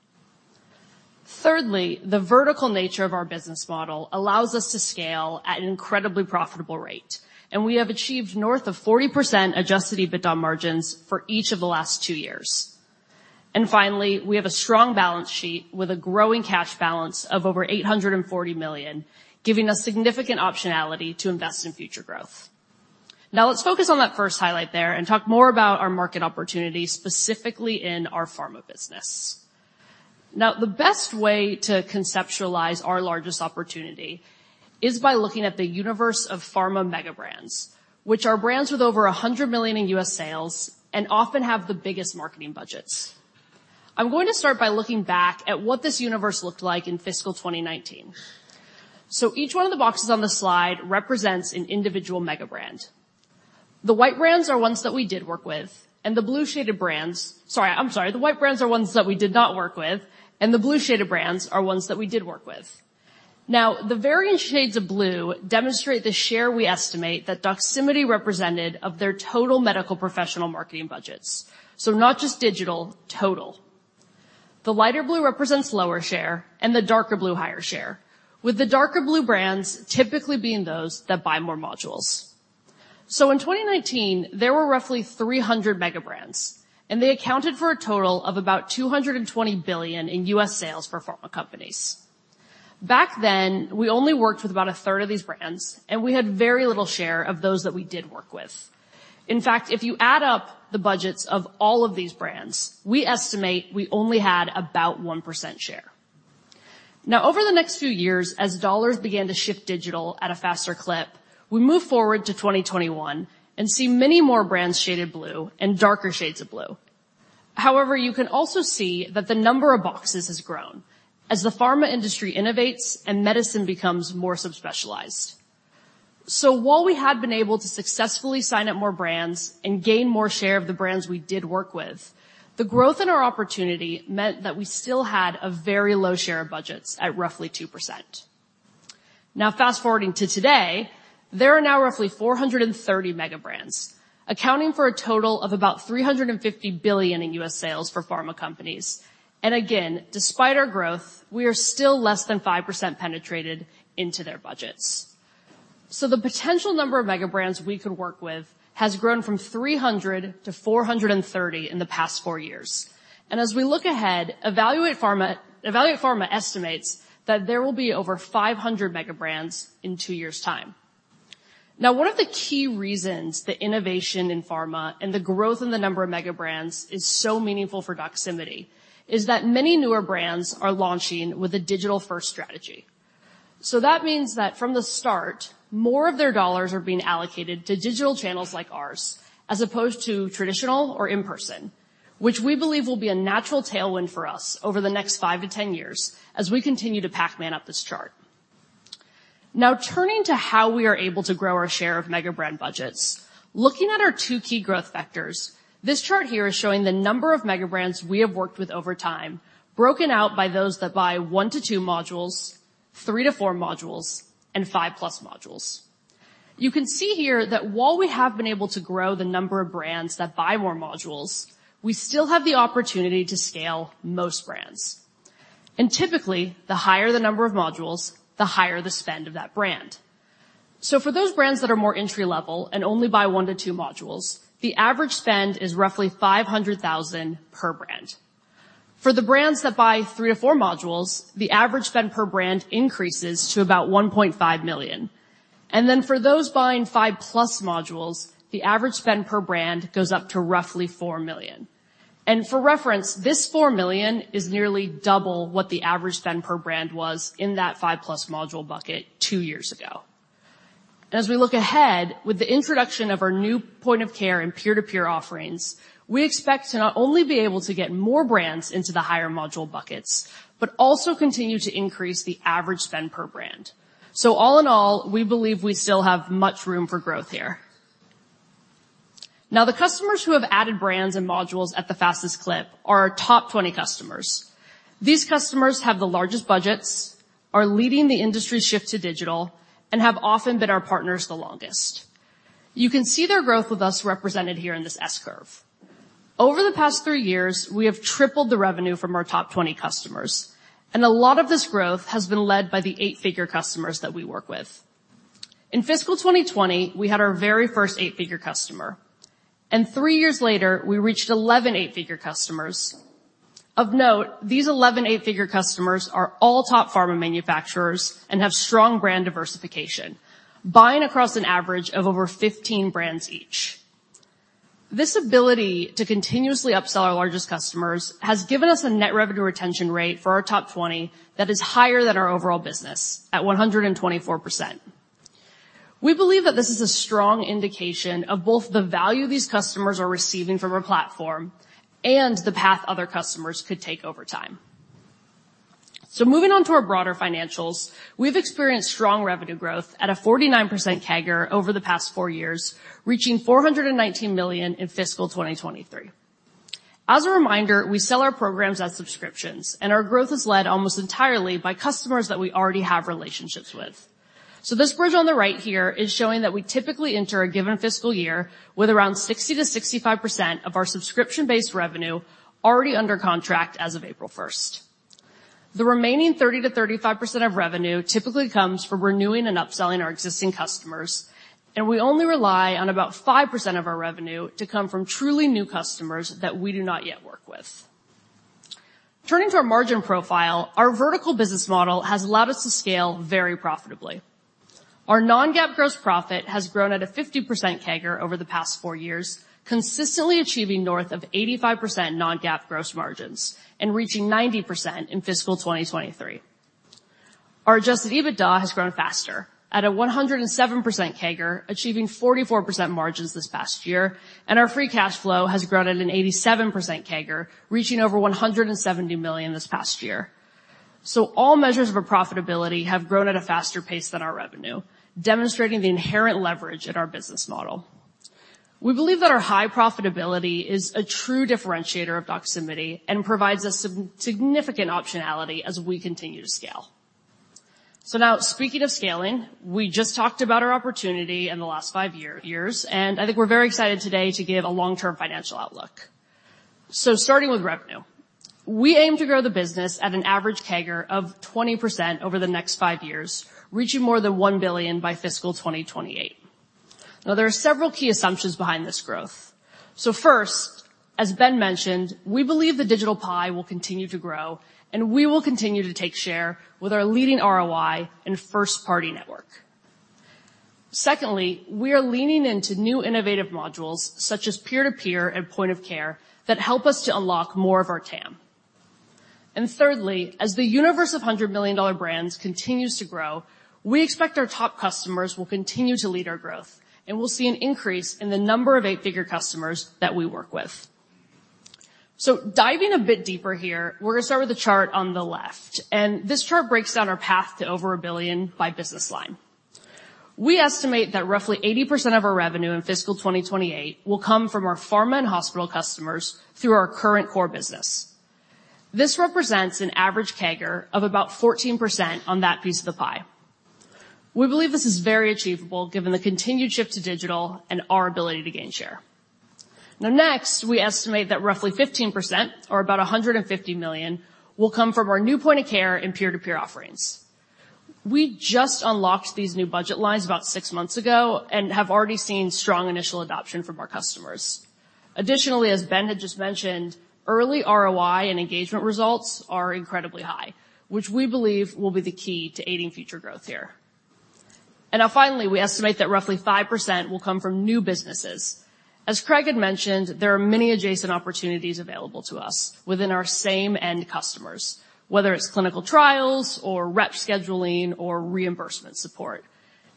Thirdly, the vertical nature of our business model allows us to scale at an incredibly profitable rate, and we have achieved north of 40% adjusted EBITDA margins for each of the last two years. Finally, we have a strong balance sheet with a growing cash balance of over $840 million, giving us significant optionality to invest in future growth. Now, let's focus on that first highlight there and talk more about our market opportunity, specifically in our pharma business. The best way to conceptualize our largest opportunity is by looking at the universe of pharma mega brands, which are brands with over $100 million in U.S. sales and often have the biggest marketing budgets. I'm going to start by looking back at what this universe looked like in fiscal 2019. Each one of the boxes on the slide represents an individual mega brand. The white brands are ones that we did not work with, and the blue shaded brands are ones that we did work with. The various shades of blue demonstrate the share we estimate that Doximity represented of their total medical professional marketing budgets. Not just digital, total. The lighter blue represents lower share, and the darker blue, higher share, with the darker blue brands typically being those that buy more modules. In 2019, there were roughly 300 mega brands, and they accounted for a total of about $220 billion in U.S. sales for pharma companies. Back then, we only worked with about 1/3 of these brands, and we had very little share of those that we did work with. In fact, if you add up the budgets of all of these brands, we estimate we only had about 1% share. Over the next few years, as dollars began to shift digital at a faster clip, we move forward to 2021 and see many more brands shaded blue and darker shades of blue. However, you can also see that the number of boxes has grown as the pharma industry innovates and medicine becomes more subspecialized. While we have been able to successfully sign up more brands and gain more share of the brands we did work with, the growth in our opportunity meant that we still had a very low share of budgets at roughly 2%. Now, fast-forwarding to today, there are now roughly 430 mega brands, accounting for a total of about $350 billion in U.S. sales for pharma companies. Again, despite our growth, we are still less than 5% penetrated into their budgets. The potential number of mega brands we could work with has grown from 300-430 in the past four years. As we look ahead, Evaluate Pharma estimates that there will be over 500 mega brands in two years' time. One of the key reasons that innovation in pharma and the growth in the number of mega brands is so meaningful for Doximity is that many newer brands are launching with a digital-first strategy. That means that from the start, more of their dollars are being allocated to digital channels like ours, as opposed to traditional or in-person, which we believe will be a natural tailwind for us over the next 5-10 years as we continue to Pac-Man up this chart. Turning to how we are able to grow our share of mega brand budgets. Looking at our two key growth vectors, this chart here is showing the number of mega brands we have worked with over time, broken out by those that buy one to two modules, three to four modules, and five-plus modules. You can see here that while we have been able to grow the number of brands that buy more modules, we still have the opportunity to scale most brands. Typically, the higher the number of modules, the higher the spend of that brand. For those brands that are more entry-level and only buy one to two modules, the average spend is roughly $500,000 per brand. For the brands that buy three to four modules, the average spend per brand increases to about $1.5 million. For those buying five-plus modules, the average spend per brand goes up to roughly $4 million. For reference, this $4 million is nearly double what the average spend per brand was in that 5-plus module bucket two years ago. As we look ahead, with the introduction of our new point of care and peer-to-peer offerings, we expect to not only be able to get more brands into the higher module buckets, but also continue to increase the average spend per brand. All in all, we believe we still have much room for growth here. Now, the customers who have added brands and modules at the fastest clip are our top 20 customers. These customers have the largest budgets, are leading the industry's shift to digital, and have often been our partners the longest. You can see their growth with us represented here in this S-curve. Over the past three years, we have tripled the revenue from our top 20 customers, and a lot of this growth has been led by the eight-figure customers that we work with. In fiscal 2020, we had our very first eight-figure customer, and three years later, we reached 11 eight-figure customers. Of note, these 11 eight-figure customers are all top pharma manufacturers and have strong brand diversification, buying across an average of over 15 brands each. This ability to continuously upsell our largest customers has given us a net revenue retention rate for our top 20 that is higher than our overall business at 124%. We believe that this is a strong indication of both the value these customers are receiving from our platform and the path other customers could take over time. Moving on to our broader financials, we've experienced strong revenue growth at a 49% CAGR over the past four years, reaching $419 million in fiscal 2023. As a reminder, we sell our programs as subscriptions, and our growth is led almost entirely by customers that we already have relationships with. This bridge on the right here is showing that we typically enter a given fiscal year with around 60%-65% of our subscription-based revenue already under contract as of April 1st. The remaining 30%-35% of revenue typically comes from renewing and upselling our existing customers, and we only rely on about 5% of our revenue to come from truly new customers that we do not yet work with. Turning to our margin profile, our vertical business model has allowed us to scale very profitably. Our non-GAAP gross profit has grown at a 50% CAGR over the past four years, consistently achieving north of 85% non-GAAP gross margins and reaching 90% in fiscal 2023. Our adjusted EBITDA has grown faster at a 107% CAGR, achieving 44% margins this past year, and our free cash flow has grown at an 87% CAGR, reaching over $170 million this past year. All measures of our profitability have grown at a faster pace than our revenue, demonstrating the inherent leverage in our business model. We believe that our high profitability is a true differentiator of Doximity and provides us some significant optionality as we continue to scale. Speaking of scaling, we just talked about our opportunity in the last five years, and I think we're very excited today to give a long-term financial outlook. Starting with revenue, we aim to grow the business at an average CAGR of 20% over the next five years, reaching more than $1 billion by fiscal 2028. Now, there are several key assumptions behind this growth. First, as Ben mentioned, we believe the digital pie will continue to grow, and we will continue to take share with our leading ROI and first-party network. Secondly, we are leaning into new innovative modules such as peer-to-peer and point of care, that help us to unlock more of our TAM. Thirdly, as the universe of $100 million brands continues to grow, we expect our top customers will continue to lead our growth, and we'll see an increase in the number of eight-figure customers that we work with. Diving a bit deeper here, we're going to start with the chart on the left, and this chart breaks down our path to over $1 billion by business line. We estimate that roughly 80% of our revenue in fiscal 2028 will come from our pharma and hospital customers through our current core business. This represents an average CAGR of about 14% on that piece of the pie. We believe this is very achievable, given the continued shift to digital and our ability to gain share. Next, we estimate that roughly 15% or about $150 million, will come from our new point of care and peer-to-peer offerings. We just unlocked these new budget lines about six months ago and have already seen strong initial adoption from our customers. Additionally, as Ben had just mentioned, early ROI and engagement results are incredibly high, which we believe will be the key to aiding future growth here. Finally, we estimate that roughly 5% will come from new businesses. As Craig had mentioned, there are many adjacent opportunities available to us within our same end customers, whether it's clinical trials or rep scheduling or reimbursement support.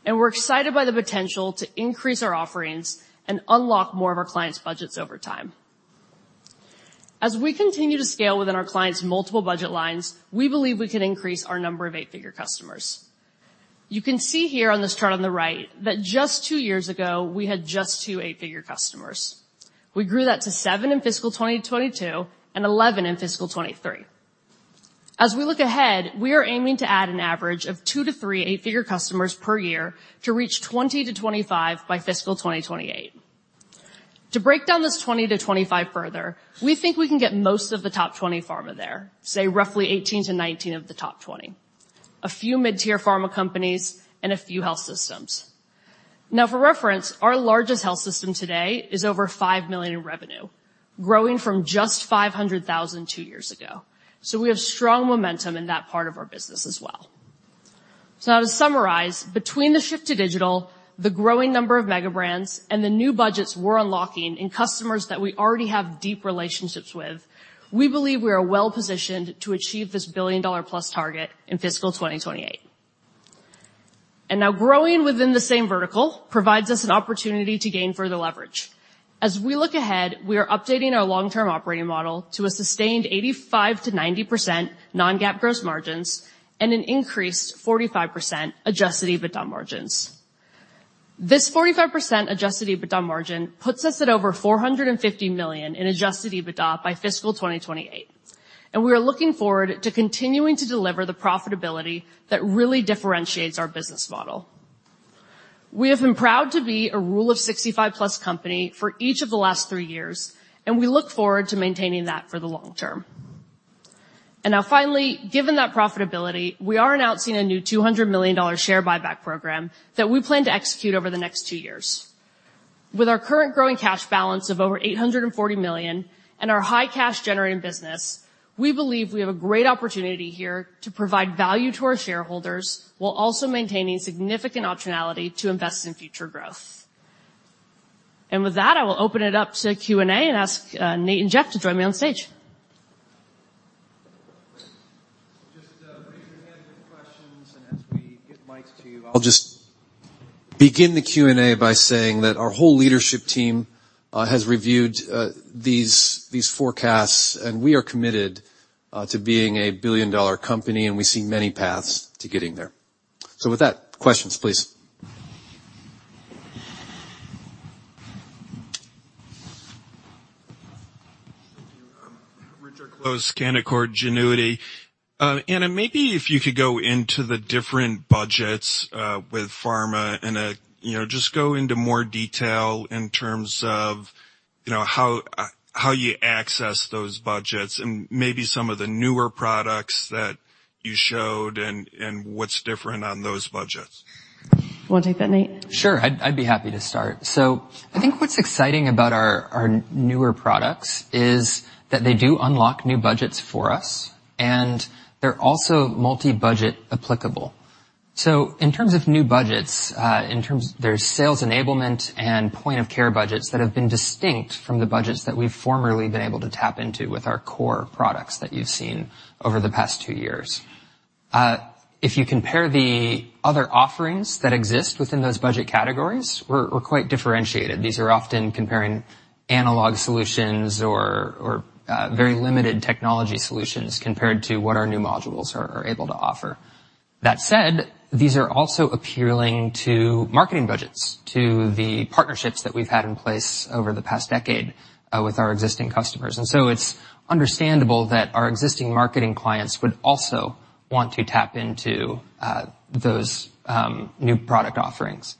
We're excited by the potential to increase our offerings and unlock more of our clients' budgets over time. As we continue to scale within our clients' multiple budget lines, we believe we can increase our number of eight-figure customers. You can see here on this chart on the right that just two years ago, we had just two eight-figure customers. We grew that to seven in fiscal 2022 and 11 in fiscal 2023. We look ahead, we are aiming to add an average of two to three eight-figure customers per year to reach 20-25 by fiscal 2028. To break down this 20-25 further, we think we can get most of the top 20 pharma there, say roughly 18-19 of the top 20, a few mid-tier pharma companies, and a few health systems. For reference, our largest health system today is over $5 million in revenue, growing from just $500,000 two years ago. We have strong momentum in that part of our business as well. To summarize, between the shift to digital, the growing number of mega brands, and the new budgets we're unlocking in customers that we already have deep relationships with, we believe we are well-positioned to achieve this billion-dollar-plus target in fiscal 2028. Now growing within the same vertical provides us an opportunity to gain further leverage. As we look ahead, we are updating our long-term operating model to a sustained 85%-90% non-GAAP gross margins and an increased 45% adjusted EBITDA margins. This 45% adjusted EBITDA margin puts us at over $450 million in adjusted EBITDA by fiscal 2028, and we are looking forward to continuing to deliver the profitability that really differentiates our business model. We have been proud to be a rule of 65+ company for each of the last three years, and we look forward to maintaining that for the long term. Now, finally, given that profitability, we are announcing a new $200 million share buyback program that we plan to execute over the next two years. With our current growing cash balance of over $840 million and our high cash-generating business, we believe we have a great opportunity here to provide value to our shareholders, while also maintaining significant optionality to invest in future growth. With that, I will open it up to Q&A and ask Nate and Jeff to join me on stage. Just raise your hand with questions, as we get mics to you. I'll just begin the Q&A by saying that our whole leadership team has reviewed these forecasts. We are committed to being a billion-dollar company. We see many paths to getting there. With that, questions, please. Thank you. Richard Close, Canaccord Genuity. Anna, maybe if you could go into the different budgets with pharma and, you know, just go into more detail in terms of, you know, how you access those budgets and maybe some of the newer products that you showed and what's different on those budgets? Want to take that, Nate? Sure, I'd be happy to start. I think what's exciting about our newer products is that they do unlock new budgets for us, and they're also multi-budget applicable. In terms of new budgets, there's sales enablement and point-of-care budgets that have been distinct from the budgets that we've formerly been able to tap into with our core products that you've seen over the past two years. If you compare the other offerings that exist within those budget categories, we're quite differentiated. These are often comparing analog solutions or very limited technology solutions compared to what our new modules are able to offer. That said, these are also appealing to marketing budgets, to the partnerships that we've had in place over the past decade, with our existing customers. It's understandable that our existing marketing clients would also want to tap into those new product offerings.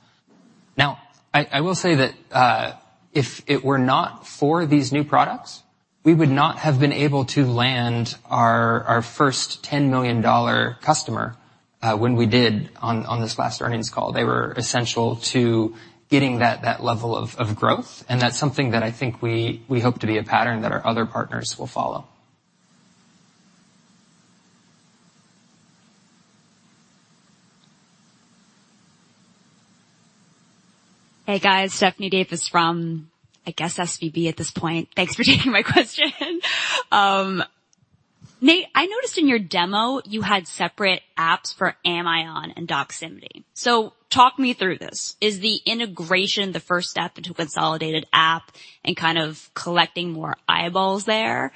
I will say that if it were not for these new products, we would not have been able to land our first $10 million customer when we did on this last earnings call. They were essential to getting that level of growth, and that's something that I think we hope to be a pattern that our other partners will follow. Hey, guys, Stephanie Davis from, I guess, SVB at this point. Thanks for taking my question. Nate, I noticed in your demo you had separate apps for Amion and Doximity. Talk me through this. Is the integration the first step into a consolidated app and kind of collecting more eyeballs there?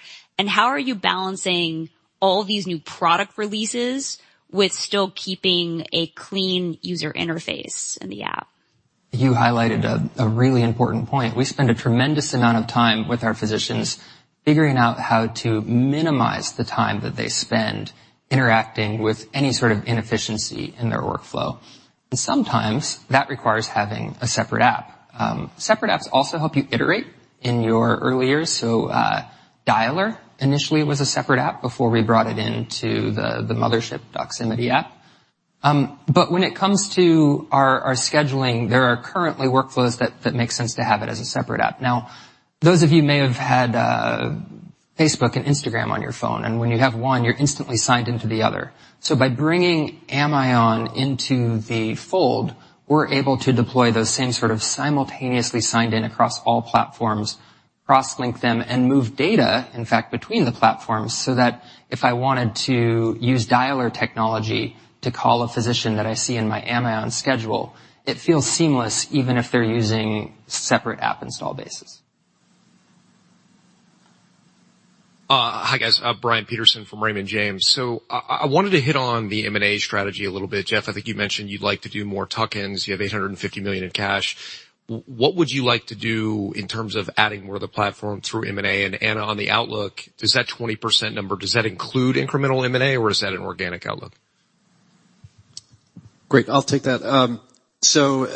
How are you balancing all these new product releases with still keeping a clean user interface in the app? You highlighted a really important point. We spend a tremendous amount of time with our physicians figuring out how to minimize the time that they spend interacting with any sort of inefficiency in their workflow. Sometimes that requires having a separate app. Separate apps also help you iterate in your early years. Dialer initially was a separate app before we brought it into the mothership Doximity app. When it comes to our scheduling, there are currently workflows that make sense to have it as a separate app. Those of you may have had Facebook and Instagram on your phone, and when you have one, you're instantly signed into the other. By bringing Amion into the fold, we're able to deploy those same sort of simultaneously signed in across all platforms, cross-link them, and move data, in fact, between the platforms, so that if I wanted to use Dialer technology to call a physician that I see in my Amion schedule, it feels seamless, even if they're using separate app install bases. Hi, guys, Brian Peterson from Raymond James. I wanted to hit on the M&A strategy a little bit. Jeff, I think you mentioned you'd like to do more tuck-ins. You have $850 million in cash. What would you like to do in terms of adding more of the platform through M&A? Anna, on the outlook, does that 20% number, does that include incremental M&A, or is that an organic outlook? Great, I'll take that. So,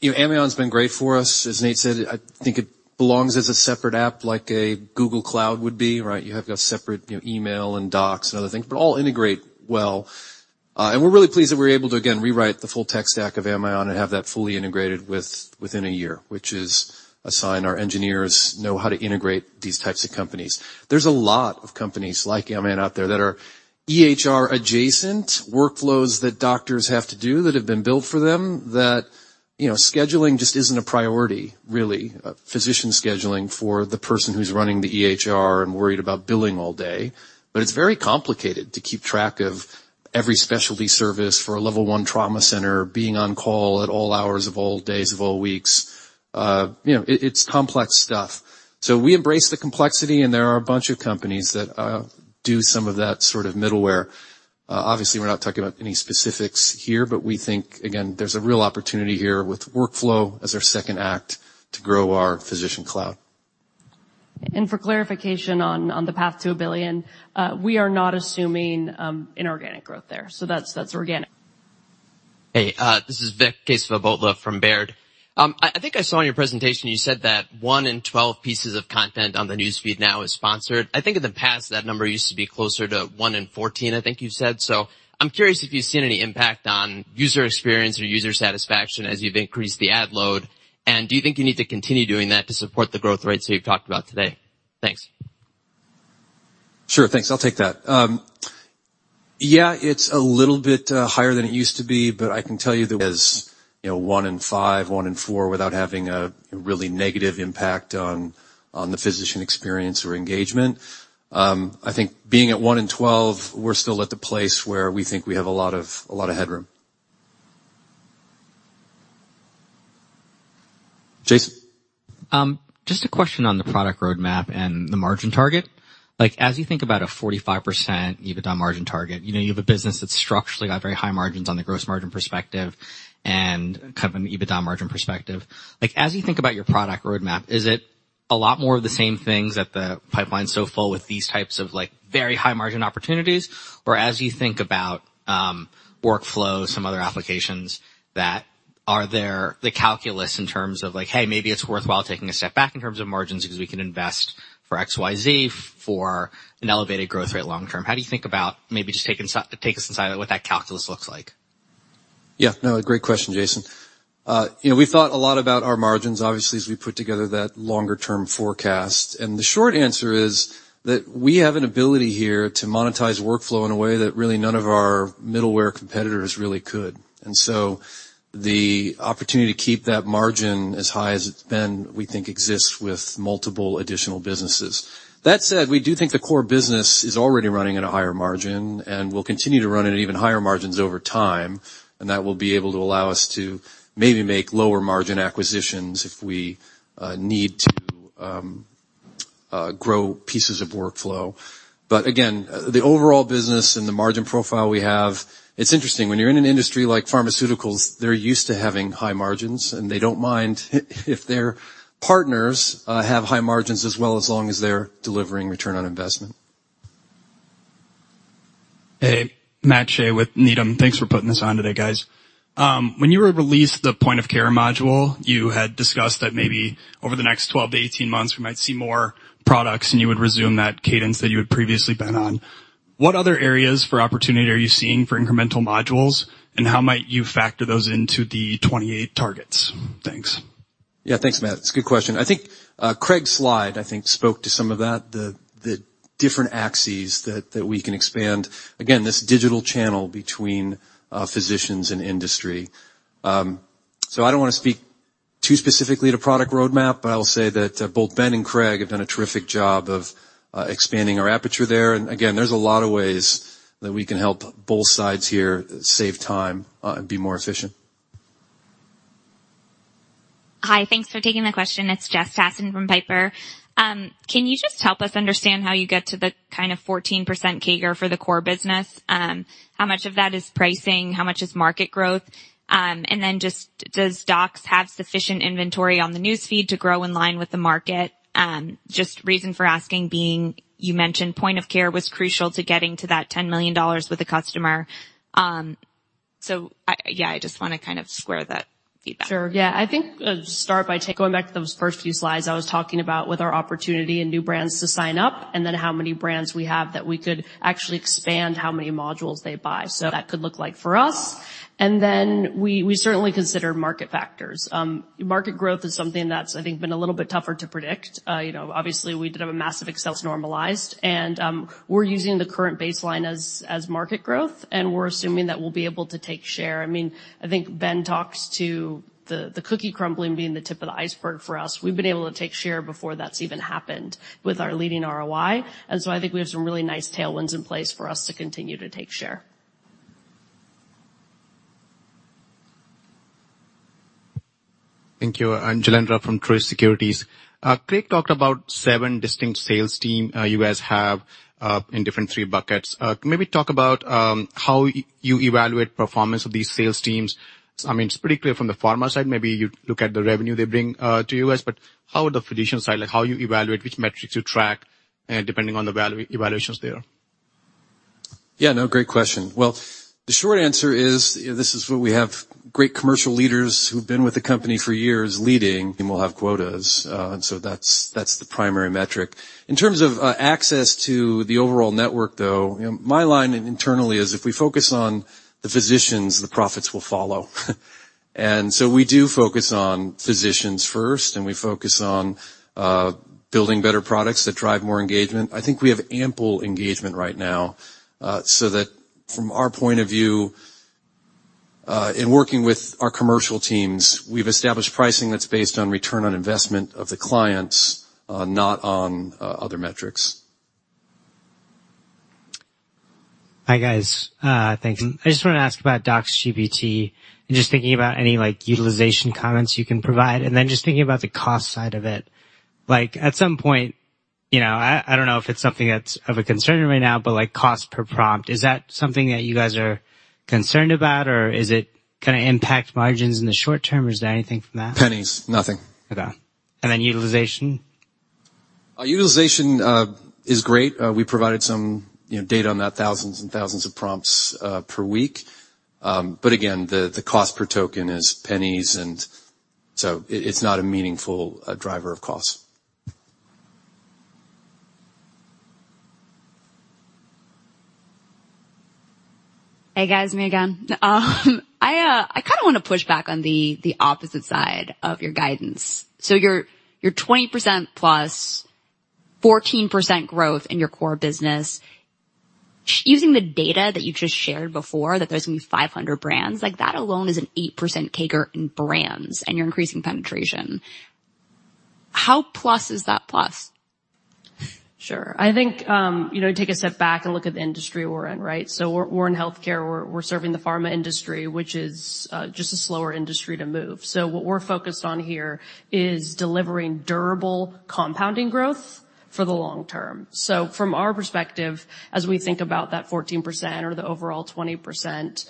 you know, Amion's been great for us. As Nate said, I think it belongs as a separate app, like a Google Cloud would be, right? You have to have separate, you know, email and docs and other things, but all integrate well. We're really pleased that we were able to, again, rewrite the full tech stack of Amion and have that fully integrated within a year, which is a sign our engineers know how to integrate these types of companies. There's a lot of companies like Amion out there that are EHR adjacent workflows that doctors have to do that have been built for them, that, you know, scheduling just isn't a priority, really, physician scheduling for the person who's running the EHR and worried about billing all day. It's very complicated to keep track of every specialty service for a level one trauma center, being on call at all hours of all days, of all weeks. You know, it's complex stuff. We embrace the complexity, and there are a bunch of companies that do some of that sort of middleware. Obviously, we're not talking about any specifics here, but we think, again, there's a real opportunity here with Workflow as our second act to grow our physician cloud. For clarification on the path to $1 billion, we are not assuming inorganic growth there. That's organic. Hey, this is Vikram Kesavabhotla from Baird. I think I saw in your presentation you said that one in 12 pieces of content on the news feed now is sponsored. I think in the past, that number used to be closer to one in 14, I think you said. I'm curious if you've seen any impact on user experience or user satisfaction as you've increased the ad load. Do you think you need to continue doing that to support the growth rates that you've talked about today? Thanks. Sure. Thanks. I'll take that. Yeah, it's a little bit higher than it used to be, but I can tell you that, as you know, one in five, one in four, without having a really negative impact on the physician experience or engagement, I think being at one in 12, we're still at the place where we think we have a lot of headroom. Jason? Just a question on the product roadmap and the margin target. Like, as you think about a 45% EBITDA margin target, you know, you have a business that's structurally got very high margins on the gross margin perspective and kind of an EBITDA margin perspective. Like, as you think about workflow, some other applications that are there, the calculus in terms of like, hey, maybe it's worthwhile taking a step back in terms of margins because we can invest for XYZ, for an elevated growth rate long term. How do you think about maybe just take us inside what that calculus looks like? Yeah, no, great question, Jason. You know, we thought a lot about our margins, obviously, as we put together that longer-term forecast, and the short answer is that we have an ability here to monetize workflow in a way that really none of our middleware competitors really could. The opportunity to keep that margin as high as it's been, we think, exists with multiple additional businesses. That said, we do think the core business is already running at a higher margin and will continue to run at even higher margins over time, and that will be able to allow us to maybe make lower margin acquisitions if we need to grow pieces of workflow. The overall business and the margin profile we have, it's interesting. When you're in an industry like pharmaceuticals, they're used to having high margins, and they don't mind if their partners have high margins as well, as long as they're delivering return on investment. Hey, Matt Shea with Needham. Thanks for putting this on today, guys. When you released the point of care module, you had discussed that maybe over the next 12-18 months, we might see more products, and you would resume that cadence that you had previously been on. What other areas for opportunity are you seeing for incremental modules, and how might you factor those into the 28 targets? Thanks. Yeah. Thanks, Matt. It's a good question. I think Craig's slide, I think, spoke to some of that, the different axes that we can expand. Again, this digital channel between physicians and industry. I don't want to speak too specifically to product roadmap, but I will say that both Ben and Craig have done a terrific job of expanding our aperture there. Again, there's a lot of ways that we can help both sides here save time and be more efficient. Hi, thanks for taking the question. It's Jess Tassan from Piper. Can you just help us understand how you get to the kind of 14% CAGR for the core business? How much of that is pricing, how much is market growth? Does Docs have sufficient inventory on the news feed to grow in line with the market? Just reason for asking being, you mentioned point of care was crucial to getting to that $10 million with a customer. Yeah, I just want to kind of square that feedback. Sure. Yeah, I think I'll just start by going back to those first few slides I was talking about with our opportunity and new brands to sign up, and then how many brands we have that we could actually expand, how many modules they buy. That could look like for us. Then we certainly consider market factors. Market growth is something that's, I think, been a little bit tougher to predict. You know, obviously, we did have a massive sales normalized, and we're using the current baseline as market growth, and we're assuming that we'll be able to take share. I mean, I think Ben talks to the cookie crumbling being the tip of the iceberg for us. We've been able to take share before that's even happened with our leading ROI, and so I think we have some really nice tailwinds in place for us to continue to take share. Thank you. I'm Jailendra from Truist Securities. Craig talked about seven distinct sales team, you guys have, in different two buckets. Can you maybe talk about how you evaluate performance of these sales teams? I mean, it's pretty clear from the pharma side, maybe you look at the revenue they bring, to you guys, but how would the physician side, like, how you evaluate, which metrics you track, and depending on the value evaluations there? Yeah, no, great question. Well, the short answer is, this is what we have great commercial leaders who've been with the company for years leading. We'll have quotas. That's the primary metric. In terms of access to the overall network, though, you know, my line internally is if we focus on the physicians, the profits will follow. We do focus on physicians first, and we focus on building better products that drive more engagement. I think we have ample engagement right now, so that from our point of view, in working with our commercial teams, we've established pricing that's based on return on investment of the clients, not on other metrics. Hi, guys. Thanks. I just wanna ask about DoxGPT, and just thinking about any, like, utilization comments you can provide. Just thinking about the cost side of it, like, at some point, you know, I don't know if it's something that's of a concern right now, but, like, cost per prompt, is that something that you guys are concerned about, or is it gonna impact margins in the short term, or is there anything from that? Pennies. Nothing. Okay. Then utilization? Utilization is great. We provided some, you know, data on that, thousands and thousands of prompts per week. Again, the cost per token is pennies, it's not a meaningful driver of costs. Hey, guys, me again. I kinda wanna push back on the opposite side of your guidance. Your 20%+ 14% growth in your core business, using the data that you just shared before, that there's gonna be 500 brands, like, that alone is an 8% CAGR in brands, and you're increasing penetration. How plus is that plus? Sure. I think, you know, take a step back and look at the industry we're in, right? We're in healthcare, we're serving the pharma industry, which is just a slower industry to move. What we're focused on here is delivering durable compounding growth for the long term. From our perspective, as we think about that 14% or the overall 20%,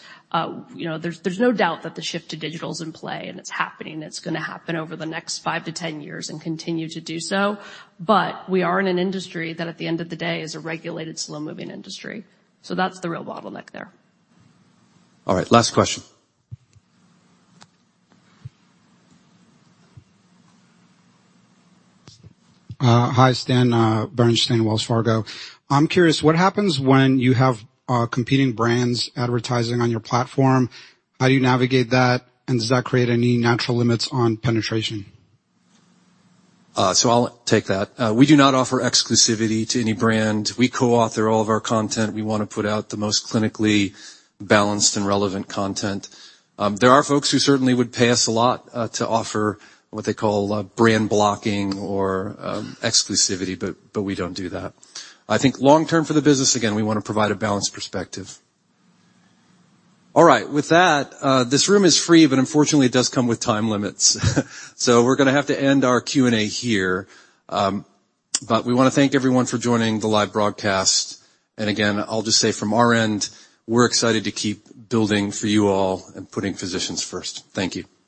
you know, there's no doubt that the shift to digital is in play, and it's happening. It's gonna happen over the next 5-10 years and continue to do so. We are in an industry that, at the end of the day, is a regulated, slow-moving industry. That's the real bottleneck there. All right, last question. Hi, Stan, Berenshteyn, Wells Fargo. I'm curious, what happens when you have competing brands advertising on your platform? How do you navigate that, and does that create any natural limits on penetration? I'll take that. We do not offer exclusivity to any brand. We coauthor all of our content. We wanna put out the most clinically balanced and relevant content. There are folks who certainly would pay us a lot to offer what they call brand blocking or exclusivity, but we don't do that. I think long term for the business, again, we wanna provide a balanced perspective. All right. With that, this room is free, but unfortunately, it does come with time limits. We're gonna have to end our Q&A here. We wanna thank everyone for joining the live broadcast. Again, I'll just say from our end, we're excited to keep building for you all and putting physicians first. Thank you.